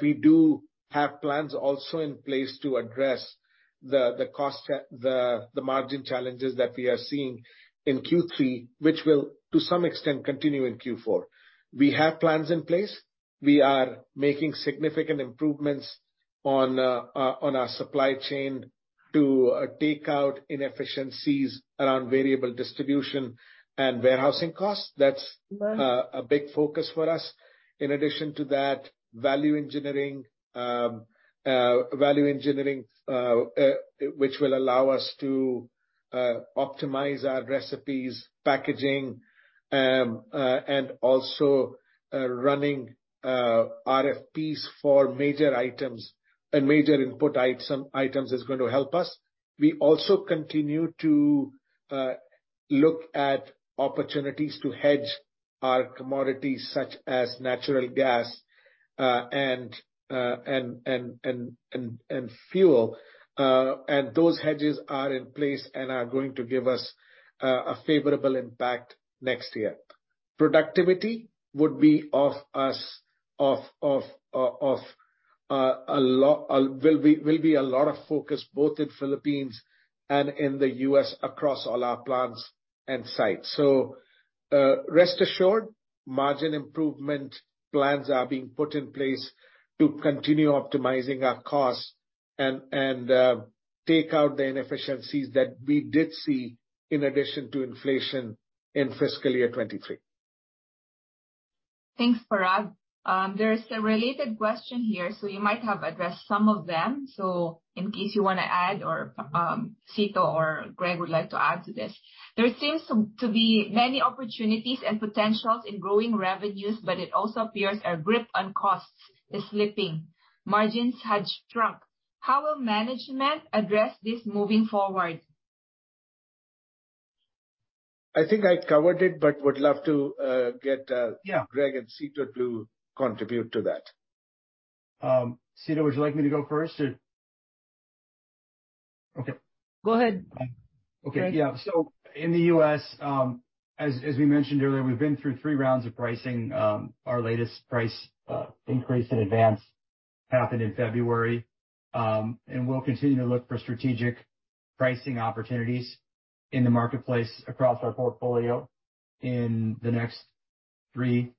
We do have plans also in place to address the cost, the margin challenges that we are seeing in third quarter, which will, to some extent, continue in fourth quarter. We have plans in place. We are making significant improvements on our supply chain to take out inefficiencies around variable distribution and warehousing costs. Mm-hmm. A big focus for us. In addition to that, value engineering, which will allow us to optimize our recipes, packaging, and also running RFPs for major items and major input some items is going to help us. We also continue to look at opportunities to hedge our commodities such as natural gas, and fuel. Those hedges are in place and are going to give us a favorable impact next year. Productivity would be of us, a lot of focus both in Philippines and in the US across all our plants and sites. Rest assured, margin improvement plans are being put in place to continue optimizing our costs and take out the inefficiencies that we did see in addition to inflation in fiscal year 2023. Thanks, Parag. There is a related question here, so you might have addressed some of them. In case you wanna add or Cito or Greg would like to add to this. There seems to be many opportunities and potentials in growing revenues, but it also appears our grip on costs is slipping. Margins had shrunk. How will management address this moving forward? I think I covered it, but would love to get. Yeah. Greg and Cito to contribute to that. Sito, would you like me to go first? Okay. Go ahead. Okay. Yeah. In the US, as we mentioned earlier, we've been through three rounds of pricing. Our latest price increase in advance happened in February. We'll continue to look for strategic pricing opportunities in the marketplace across our portfolio in the next three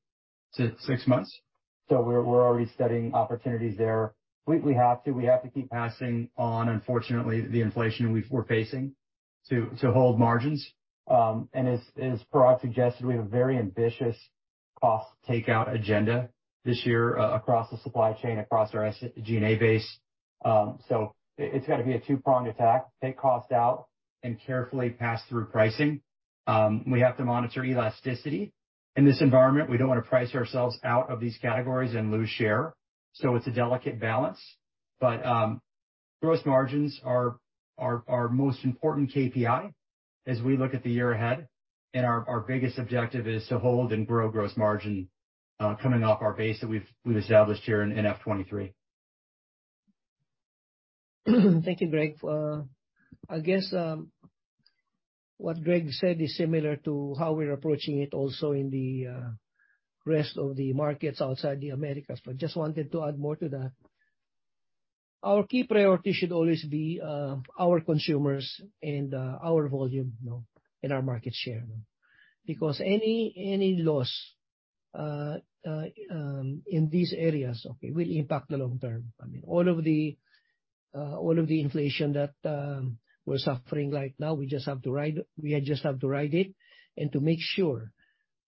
to six months. We're already studying opportunities there. We have to keep passing on, unfortunately, the inflation we're facing to hold margins. As Parag suggested, we have a very ambitious cost takeout agenda this year across the supply chain, across our G&A base. It's gotta be a two-pronged attack: take cost out and carefully pass through pricing. We have to monitor elasticity. In this environment, we don't wanna price ourselves out of these categories and lose share. It's a delicate balance. Gross margins are our most important KPI as we look at the year ahead, and our biggest objective is to hold and grow gross margin, coming off our base that we've established here in fiscal 2023. Thank you, Greg. I guess what Greg said is similar to how we're approaching it also in the rest of the markets outside the Americas. Just wanted to add more to that. Our key priority should always be our consumers and our volume, you know, and our market share. Any loss in these areas, okay, will impact the long term. I mean, all of the inflation that we're suffering right now, we just have to ride it and to make sure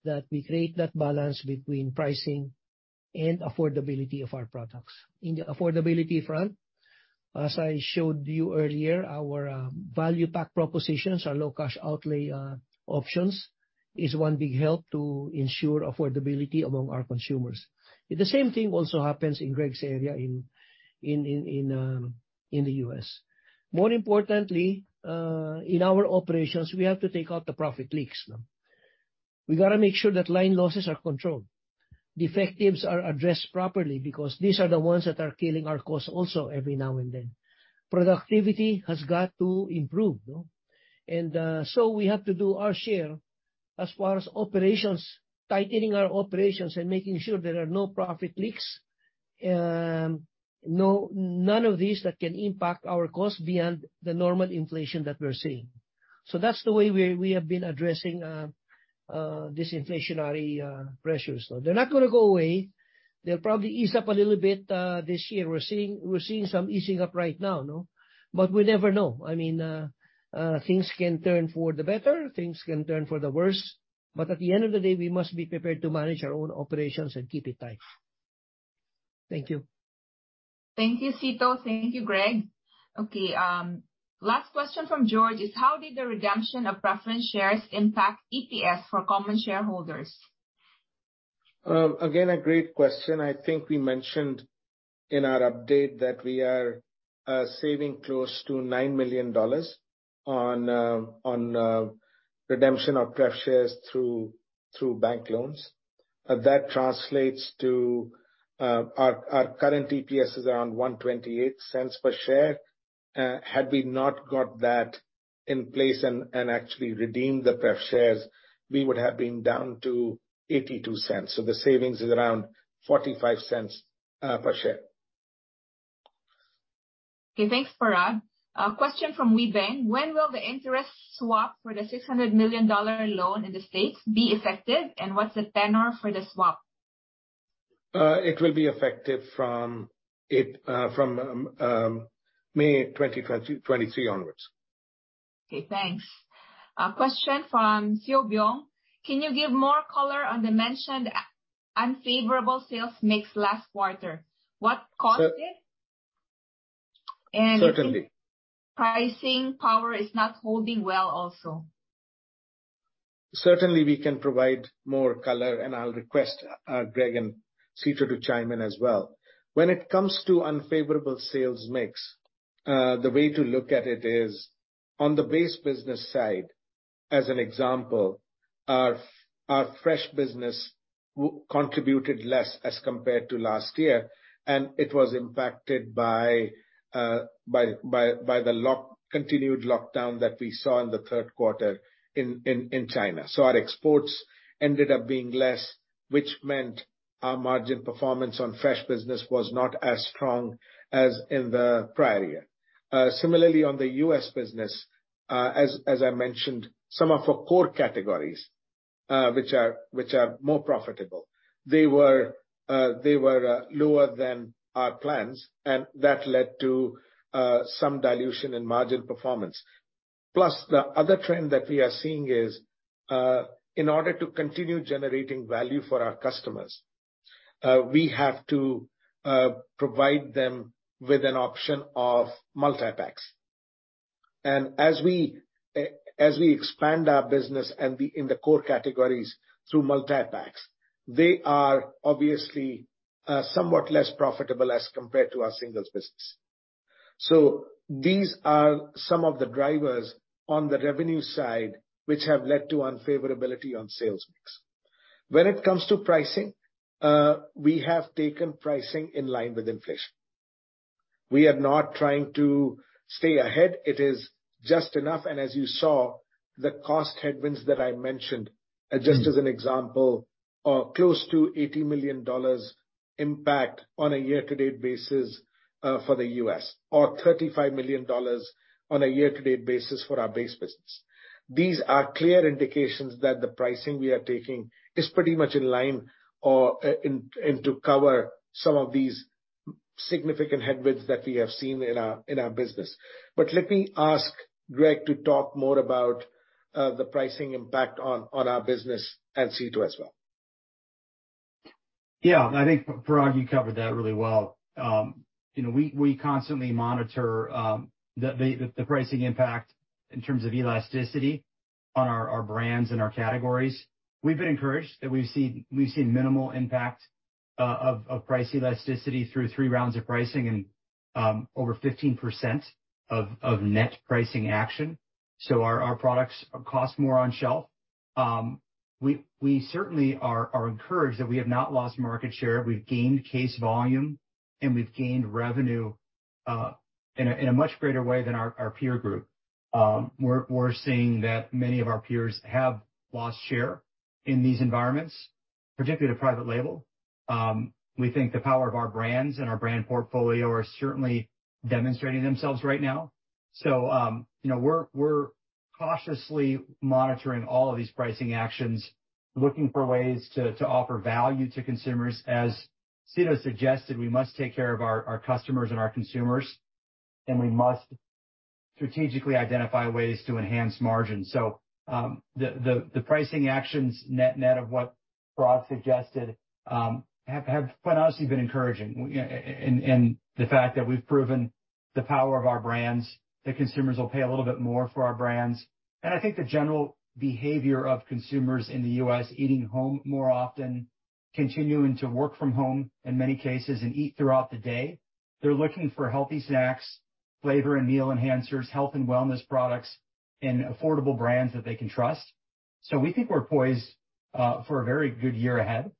that we create that balance between pricing and affordability of our products. In the affordability front, as I showed you earlier, our value pack propositions, our low cash outlay options, is one big help to ensure affordability among our consumers. The same thing also happens in Greg's area in the US More importantly, in our operations, we have to take out the profit leaks now. We gotta make sure that line losses are controlled, defectives are addressed properly, because these are the ones that are killing our costs also every now and then. Productivity has got to improve. We have to do our share as far as operations, tightening our operations, and making sure there are no profit leaks, none of these that can impact our costs beyond the normal inflation that we're seeing. That's the way we have been addressing these inflationary pressures. They're not gonna go away. They'll probably ease up a little bit this year. We're seeing some easing up right now, no. We never know. I mean, things can turn for the better, things can turn for the worse, but at the end of the day, we must be prepared to manage our own operations and keep it tight. Thank you. Thank you, Cito Alejandro. Thank you, Greg Longstreet. Okay, last question from George is: how did the redemption of preference shares impact EPS for common shareholders? Again, a great question. I think we mentioned in our update that we are saving close to $9 million on redemption of pref shares through bank loans. That translates to our current EPS is around $0.0128 per share. Had we not got that in place and actually redeemed the pref shares, we would have been down to $0.82. The savings is around $0.45 per share. Okay, thanks, Parag. A question from Wei Ben. When will the interest swap for the $600 million loan in the States be effective, and what's the tenor for the swap? It will be effective from May 2023 onwards. Okay, thanks. A question from Seo Byung: Can you give more color on the mentioned unfavorable sales mix last quarter? What caused it... [inaudible] And... Certainly... Pricing power is not holding well also. Certainly, we can provide more color, and I'll request Greg and Cito to chime in as well. When it comes to unfavorable sales mix, the way to look at it is on the base business side, as an example, our fresh business contributed less as compared to last year, and it was impacted by the continued lockdown that we saw in the third quarter in China. Our exports ended up being less, which meant our margin performance on fresh business was not as strong as in the prior year. Similarly, on the US business, as I mentioned, some of our core categories, which are more profitable, they were lower than our plans, and that led to some dilution in margin performance. The other trend that we are seeing is, in order to continue generating value for our customers, we have to provide them with an option of multipacks. As we expand our business and in the core categories through multipacks, they are obviously somewhat less profitable as compared to our singles business. These are some of the drivers on the revenue side which have led to unfavorability on sales mix. When it comes to pricing, we have taken pricing in line with inflation. We are not trying to stay ahead. It is just enough. As you saw, the cost headwinds that I mentioned, just as an example, are close to $80 million impact on a year-to-date basis, for the US or $35 million on a year-to-date basis for our base business. These are clear indications that the pricing we are taking is pretty much in line or, and to cover some of these significant headwinds that we have seen in our business. Let me ask Greg to talk more about the pricing impact on our business and Cito as well. Yeah. I think, Parag, you covered that really well. You know, we constantly monitor the pricing impact in terms of elasticity on our brands and our categories. We've been encouraged that we've seen minimal impact of price elasticity through three rounds of pricing and over 15% of net pricing action. Our products cost more on shelf. We certainly are encouraged that we have not lost market share. We've gained case volume, and we've gained revenue in a much greater way than our peer group. We are seeing that many of our peers have lost share in these environments, particularly to private label. We think the power of our brands and our brand portfolio are certainly demonstrating themselves right now. you know, we're cautiously monitoring all of these pricing actions, looking for ways to offer value to consumers. As Cito suggested, we must take care of our customers and our consumers, and we must strategically identify ways to enhance margin. The pricing actions net of what Parag suggested, have quite honestly been encouraging and the fact that we've proven the power of our brands, that consumers will pay a little bit more for our brands. I think the general behavior of consumers in the US eating home more often, continuing to work from home in many cases and eat throughout the day, they're looking for healthy snacks, flavor and meal enhancers, health and wellness products, and affordable brands that they can trust. We think we're poised for a very good year ahead.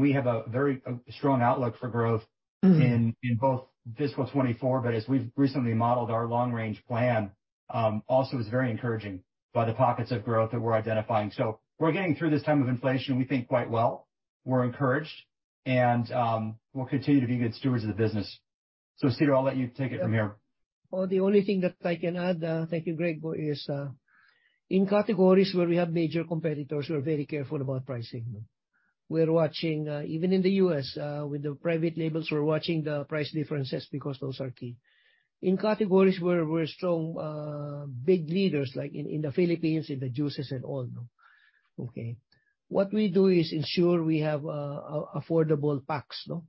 We have a very, a strong outlook for growth. Mm-hmm. In both fiscal 2024, but as we've recently modeled our long-range plan, also is very encouraging by the pockets of growth that we're identifying. We're getting through this time of inflation, we think, quite well. We're encouraged. We'll continue to be good stewards of the business. Cito, I'll let you take it from here. Well, the only thing that I can add, thank you, Greg, is in categories where we have major competitors, we're very careful about pricing. We're watching, even in the US, with the private labels, we're watching the price differences because those are key. In categories where we're strong, big leaders, like in the Philippines, in the juices and all, okay? What we do is ensure we have affordable packs, no,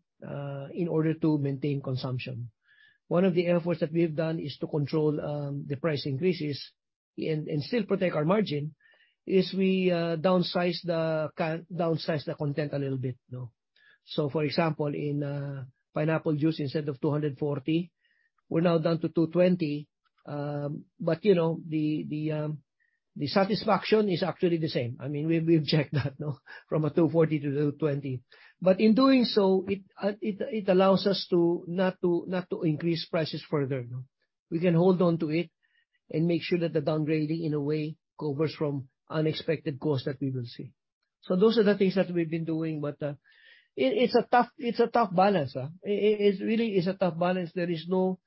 in order to maintain consumption. One of the efforts that we've done is to control the price increases and still protect our margin, is we downsize the content a little bit, no. So for example, in pineapple juice, instead of $240, we're now down to $220. But you know, the satisfaction is actually the same. I mean, we've checked that, no, from a $240 to 220. In doing so, it allows us not to increase prices further, no. We can hold on to it and make sure that the downgrading, in a way, covers from unexpected costs that we will see. Those are the things that we've been doing. It's a tough balance. It really is a tough balance. There is no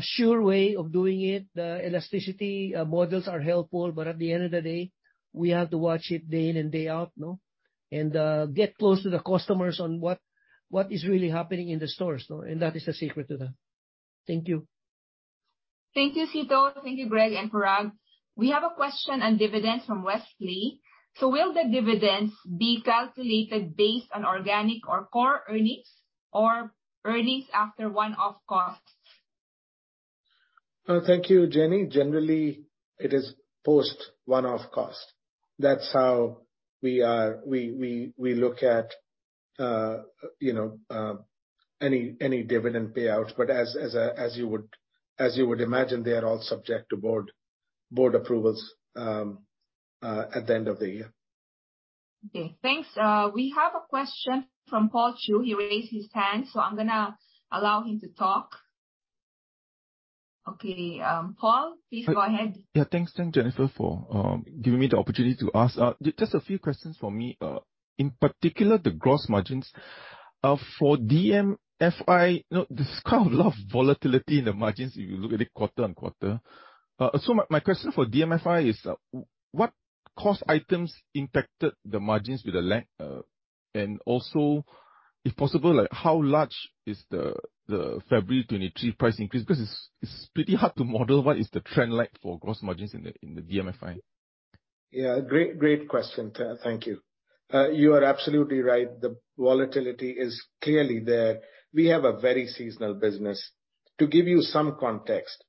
sure way of doing it. The elasticity models are helpful, at the end of the day, we have to watch it day in and day out, no? Get close to the customers on what is really happening in the stores, no? That is the secret to that. Thank you. Thank you, Cito. Thank you, Greg and Parag. We have a question on dividends from Wesley. Will the dividends be calculated based on organic or core earnings or earnings after one-off costs? Thank you, Jenny. Generally, it is post one-off cost. That's how we look at, you know, any dividend payout. As you would, as you would imagine, they are all subject to board approvals at the end of the year. Thanks. We have a question from Paul Chew. He raised his hand, so I'm gonna allow him to talk. Paul, please go ahead. Thanks. Thanks, Jennifer, for giving me the opportunity to ask. Just a few questions for me. In particular, the gross margins for DMFI, you know, there's kind of a lot of volatility in the margins if you look at it quarter and quarter. My question for DMFI is, what cost items impacted the margins with the and also, if possible, like how large is the 23 February 2023 price increase? Because it's pretty hard to model what is the trend like for gross margins in the DMFI. Yeah, great question. Thank you. You are absolutely right. The volatility is clearly there. We have a very seasonal business. To give you some context,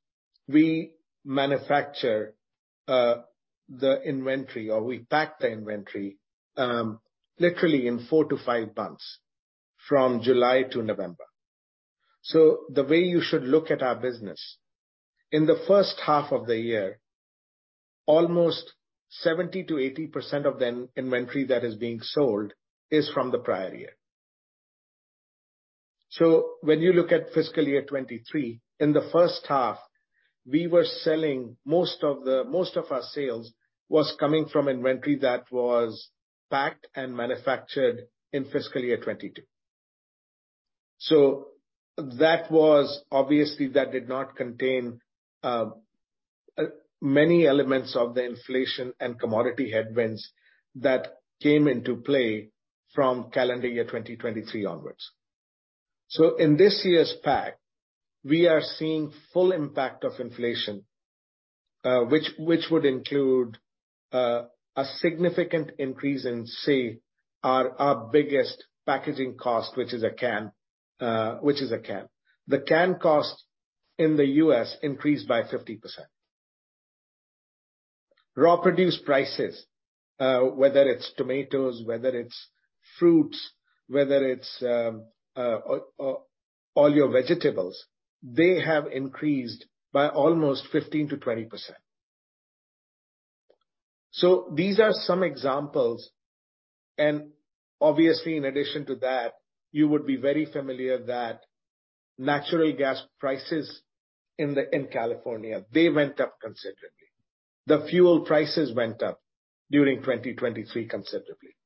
we manufacture the inventory, or we pack the inventory, literally in four to five months from July to November. The way you should look at our business, in the first half of the year, almost 70% to 80% of the in-inventory that is being sold is from the prior year. When you look at fiscal year 2023, in the first half, we were selling most of our sales was coming from inventory that was packed and manufactured in fiscal year 2022. That was obviously, that did not contain many elements of the inflation and commodity headwinds that came into play from calendar year 2023 onwards. In this year's pack, we are seeing full impact of inflation, which would include a significant increase in, say, our biggest packaging cost, which is a can. The can cost in the US increased by 50%. Raw produce prices, whether it's tomatoes, whether it's fruits, whether it's all your vegetables, they have increased by almost 15% to 20%. These are some examples. Obviously in addition to that, you would be very familiar that natural gas prices in California, they went up considerably. The fuel prices went up during 2023 considerably.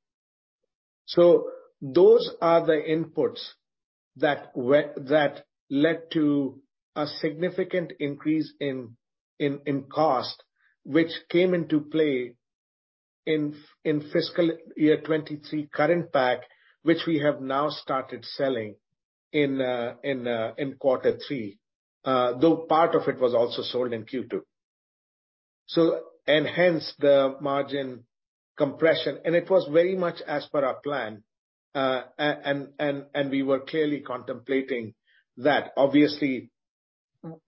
Those are the inputs that led to a significant increase in cost, which came into play in fiscal year 2023 current pack, which we have now started selling in third quarter. Though part of it was also sold in second quarter. Hence the margin compression. It was very much as per our plan. And we were clearly contemplating that. Obviously,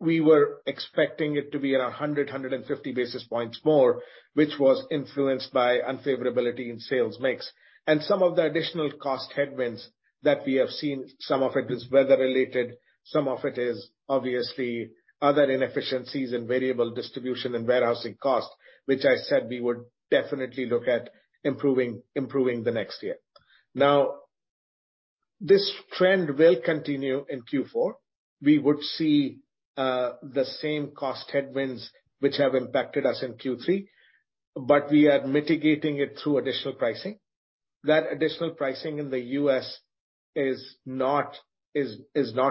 we were expecting it to be around 150-basis points more, which was influenced by unfavorability in sales mix. Some of the additional cost headwinds that we have seen, some of it is weather-related, some of it is obviously other inefficiencies in variable distribution and warehousing costs, which I said we would definitely look at improving the next year. This trend will continue in fourth quarter. We would see the same cost headwinds which have impacted us in third quarter, but we are mitigating it through additional pricing. That additional pricing in the US is not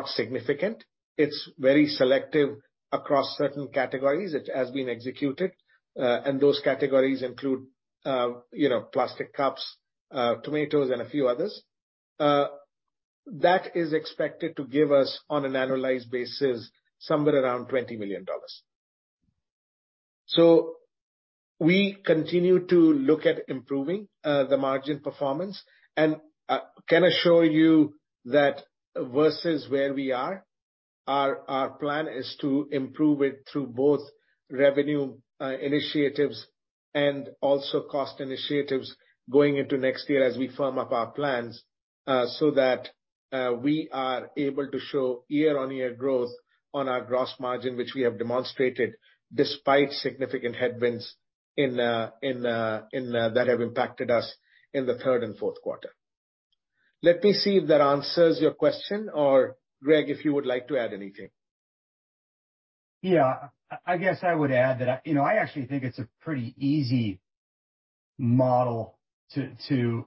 significant. It's very selective across certain categories. It has been executed, and those categories include, you know, plastic cups, tomatoes and a few others. That is expected to give us, on an annualized basis, somewhere around $20 million. We continue to look at improving the margin performance, and can assure you that versus where we are, our plan is to improve it through both revenue initiatives and also cost initiatives going into next year as we firm up our plans so that we are able to show year-on-year growth on our gross margin, which we have demonstrated despite significant headwinds that have impacted us in the third and fourth quarter. Let me see if that answers your question or, Greg, if you would like to add anything. Yeah. I guess I would add that you know, I actually think it's a pretty easy model to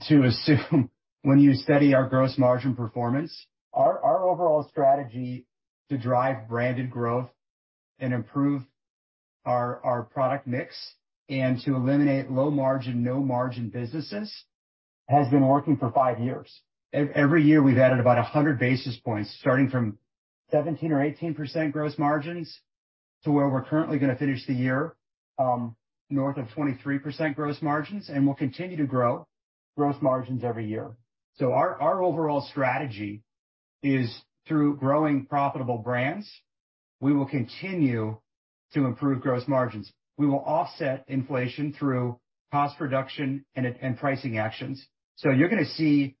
assume when you study our gross margin performance. Our overall strategy to drive branded growth and improve our product mix and to eliminate low margin, no margin businesses has been working for five years. Every year, we've added about 100-basis points, starting from 17% or 18% gross margins to where we're currently gonna finish the year, north of 23% gross margins, and we'll continue to grow gross margins every year. Our overall strategy is through growing profitable brands, we will continue to improve gross margins. We will offset inflation through cost reduction and pricing actions. You're gonna see,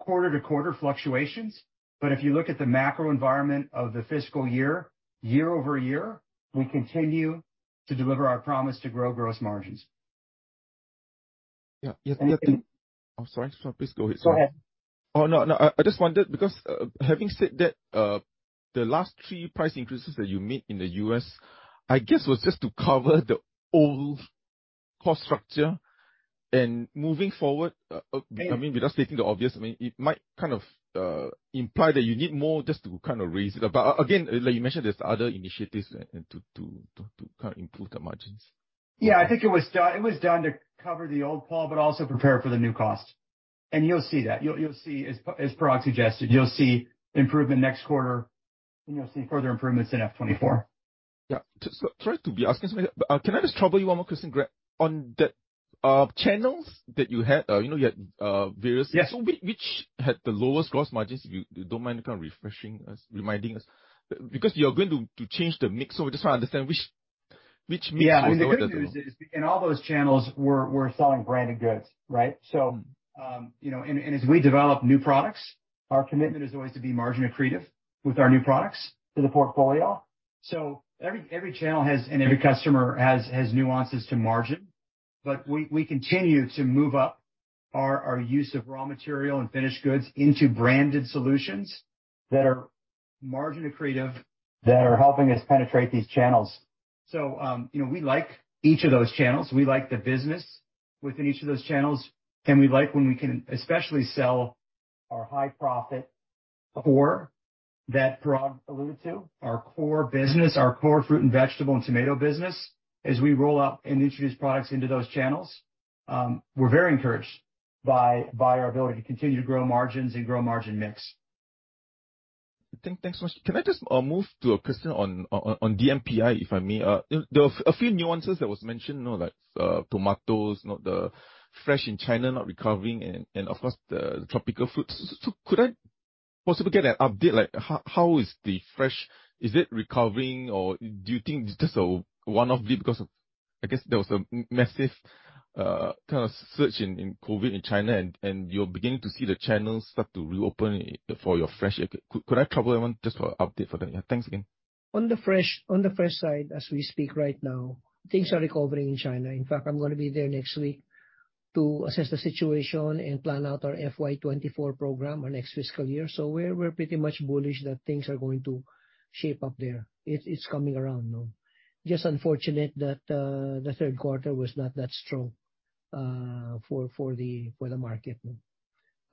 quarter-to-quarter fluctuations, but if you look at the macro environment of the fiscal year-over-year, we continue to deliver our promise to grow gross margins. Yeah. Anything... I'm sorry. Please go ahead. Go ahead. Oh, no. I just wondered because, having said that, the last three price increases that you made in the US, I guess, was just to cover the old cost structure. Moving forward, I mean, without stating the obvious, I mean, it might kind of imply that you need more just to kind of raise it. Again, like you mentioned, there's other initiatives to kind of improve the margins. Yeah. I think it was done to cover the old call but also prepare for the new cost. You'll see that. You'll see. As Prax suggested, you'll see improvement next quarter, you'll see further improvements in fiscal 2024. Yeah. sorry to be asking so many. Can I just trouble you one more question, Greg? On the channels that you had, you know, you had... Yeah. Which had the lowest gross margins? If you don't mind kind of refreshing us, reminding us. You're going to change the mix, we just wanna understand which mix had the lowest... Yeah. I mean, the good news is in all those channels, we're selling branded goods, right? You know, as we develop new products, our commitment is always to be margin accretive with our new products to the portfolio. Every channel has, and every customer has nuances to margin. We continue to move up our use of raw material and finished goods into branded solutions that are margin accretive, that are helping us penetrate these channels. You know, we like each of those channels. We like the business within each of those channels, and we like when we can especially sell our high profit core that Parag alluded to, our core business, our core fruit and vegetable and tomato business. As we roll out and introduce products into those channels, we're very encouraged by our ability to continue to grow margins and grow margin mix. Thanks so much. Can I just move to a question on DMPI, if I may? There were a few nuances that was mentioned, you know, like, tomatoes, you know, the fresh in China not recovering and of course, the tropical fruits. Could I possibly get an update? Like, how is the fresh? Is it recovering, or do you think it's just a one-off blip because of, I guess, there was a massive, kind of surge in COVID in China and you're beginning to see the channels start to reopen for your fresh. Could I trouble anyone just for an update for that? Thanks again. On the fresh side, as we speak right now, things are recovering in China. In fact, I'm going to be there next week to assess the situation and plan out our fiscal year 2024 program our next fiscal year. We're pretty much bullish that things are going to shape up there. It's coming around. Just unfortunate that the third quarter was not that strong for the market.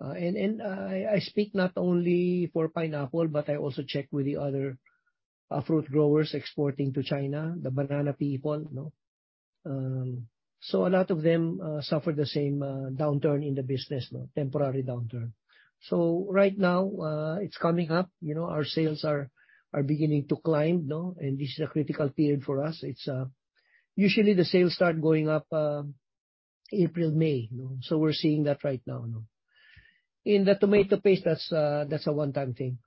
I speak not only for pineapple, but I also check with the other fruit growers exporting to China, the banana people, you know. A lot of them suffered the same downturn in the business, temporary downturn. Right now, it's coming up. You know, our sales are beginning to climb, you know, this is a critical period for us. It's usually the sales start going up, April, May. We're seeing that right now. In the tomato paste, that's a one-time thing.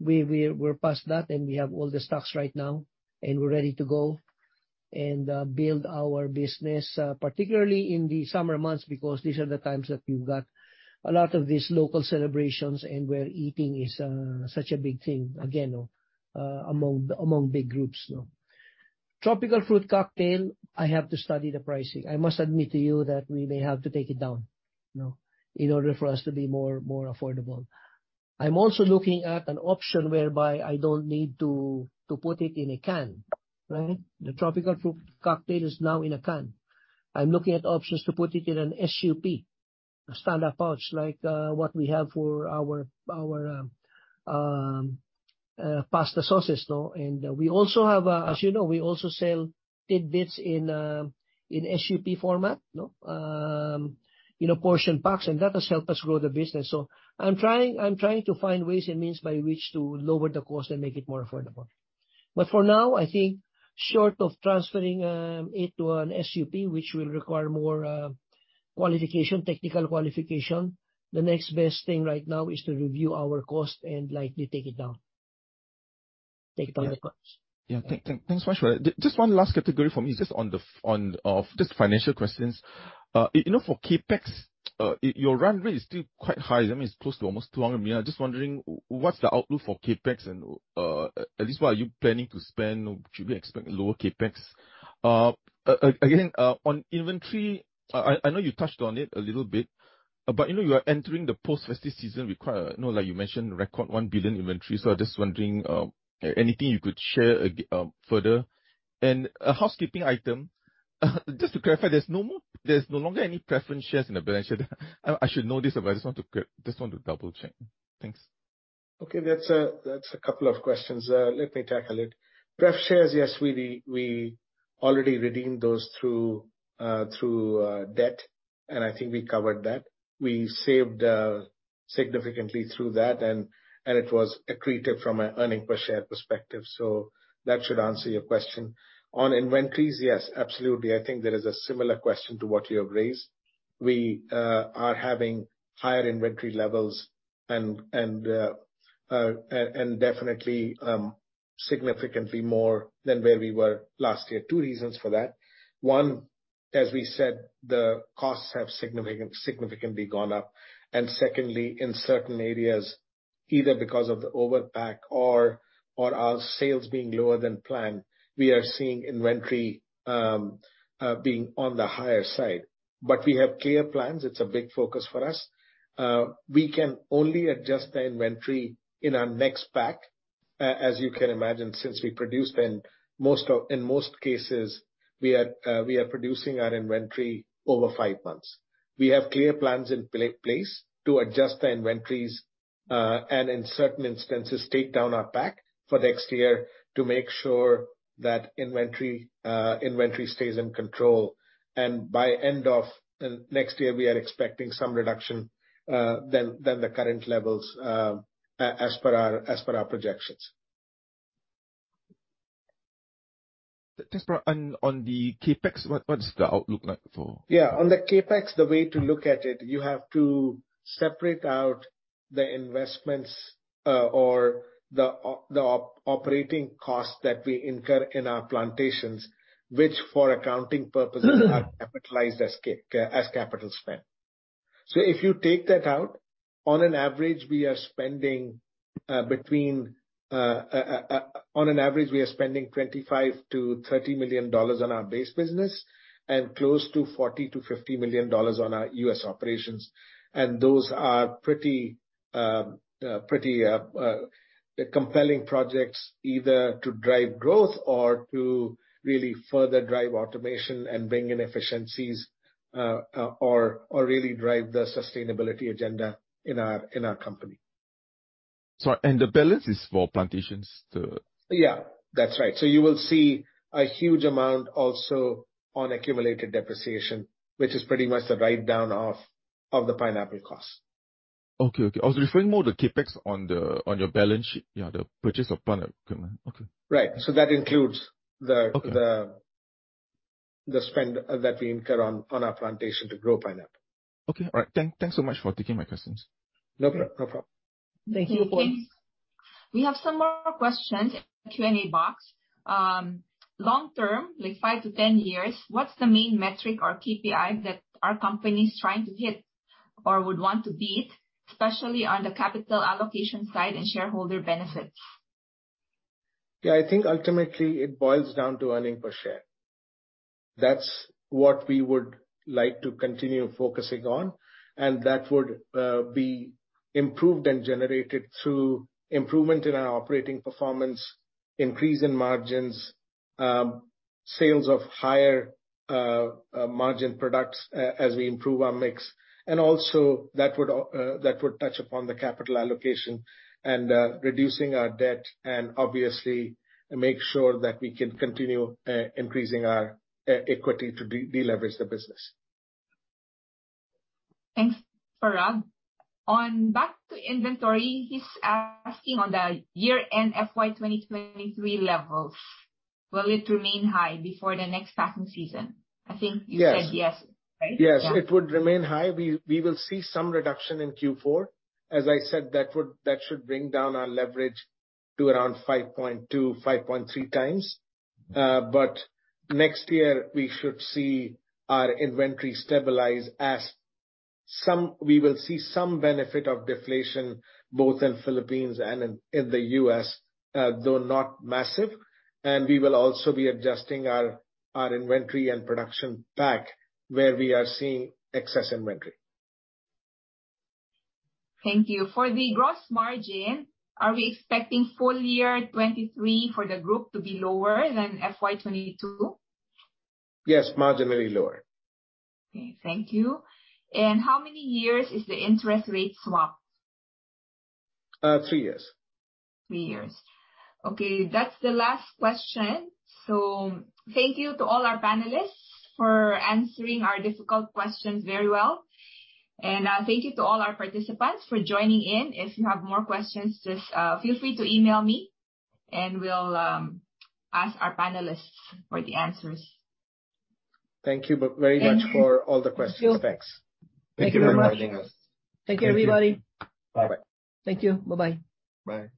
We're past that, and we have all the stocks right now, and we're ready to go and build our business particularly in the summer months, because these are the times that you've got a lot of these local celebrations and where eating is such a big thing again among big groups, you know. Tropical fruit cocktail, I have to study the pricing. I must admit to you that we may have to take it down, you know, in order for us to be more affordable. I'm also looking at an option whereby I don't need to put it in a can, right? The tropical fruit cocktail is now in a can. I'm looking at options to put it in an SUP, a stand-up pouch, like what we have for our pasta sauces. We also have, as you know, we also sell tidbits in SUP format, you know, in portion packs, and that has helped us grow the business. I'm trying to find ways and means by which to lower the cost and make it more affordable. For now, I think short of transferring it to an SUP, which will require more qualification, technical qualification, the next best thing right now is to review our cost and likely take it down. Take it on the pouch. Thanks very much for that. Just one last category for me. Just on the financial questions. You know, for CapEx, your run rate is still quite high. I mean, it's close to almost $200 million. Just wondering what's the outlook for CapEx? At least what are you planning to spend? Should we expect lower CapEx? Again, on inventory, I know you touched on it a little bit, but, you know, you are entering the post-festive season require, you know, like you mentioned, record $1 billion inventory. I'm just wondering, anything you could share further. A housekeeping item, just to clarify, there's no longer any preference shares in the balance sheet. I should know this, but I just want to double-check. Thanks. Okay. That's a couple of questions. Let me tackle it. Pref shares, yes, we already redeemed those through debt, and I think we covered that. We saved significantly through that, and it was accretive from an earning per share perspective. That should answer your question. On inventories, yes, absolutely. I think there is a similar question to what you have raised. We are having higher inventory levels and definitely significantly more than where we were last year. Two reasons for that. One, as we said, the costs have significantly gone up. Secondly, in certain areas, either because of the over pack or our sales being lower than planned, we are seeing inventory being on the higher side. We have clear plans. It's a big focus for us. We can only adjust the inventory in our next pack, as you can imagine, since we produce in most cases, we are producing our inventory over five months. We have clear plans in place to adjust the inventories, and in certain instances, take down our pack for next year to make sure that inventory stays in control. By end of next year, we are expecting some reduction than the current levels, as per our projections. Parag, on the CapEx, what is the outlook like? Yeah. On the CapEx, the way to look at it, you have to separate out the investments, or the operating costs that we incur in our plantations, which for accounting purposes are capitalized as capital spend. If you take that out, on an average, we are spending $25 to 30 million on our base business and close to $40 to 50 million on our US operations. Those are pretty compelling projects, either to drive growth or to really further drive automation and bring in efficiencies, or really drive the sustainability agenda in our company. Sorry, the balance is for plantations... Yeah, that's right. You will see a huge amount also on accumulated depreciation, which is pretty much the write-down of the pineapple costs. Okay. Okay. I was referring more the CapEx on the, on your balance sheet. Yeah, the purchase of plant equipment. Okay. Right. That includes... Okay. The spend that we incur on our plantation to grow pineapple. Okay. All right. Thanks so much for taking my questions. No problem. Thank you. We have some more questions in the Q&A box. long term, like five to 10 years, what's the main metric or KPI that our company's trying to hit or would want to beat, especially on the capital allocation side and shareholder benefits? Yeah. I think ultimately it boils down to earning per share. That's what we would like to continue focusing on, and that would be improved and generated through improvement in our operating performance, increase in margins, sales of higher margin products as we improve our mix. That would touch upon the capital allocation and reducing our debt and obviously make sure that we can continue increasing our equity to deleverage the business. Thanks, Saurabh. Back to inventory, he's asking on the year-end fiscal year 2023 levels, will it remain high before the next packing season? I think you said yes... right? Yes. It would remain high. We will see some reduction in fourth quarter. As I said, that should bring down our leverage to around 5.2x, 5.3x. Next year, we should see our inventory stabilize as We will see some benefit of deflation both in Philippines and in the US, though not massive. We will also be adjusting our inventory and production back where we are seeing excess inventory. Thank you. For the gross margin, are we expecting full year 2023 for the group to be lower than fiscal year 2022? Yes, marginally lower. Okay. Thank you. How many years is the interest rate swap? Three years. Three years. Okay, that's the last question. Thank you to all our panelists for answering our difficult questions very well. Thank you to all our participants for joining in. If you have more questions, just feel free to email me and we'll ask our panelists for the answers. Thank you very much for all the questions. Thanks. Thank you very much. Thank you for inviting us. Thank you, everybody. Bye-bye. Thank you. Bye-bye. Bye.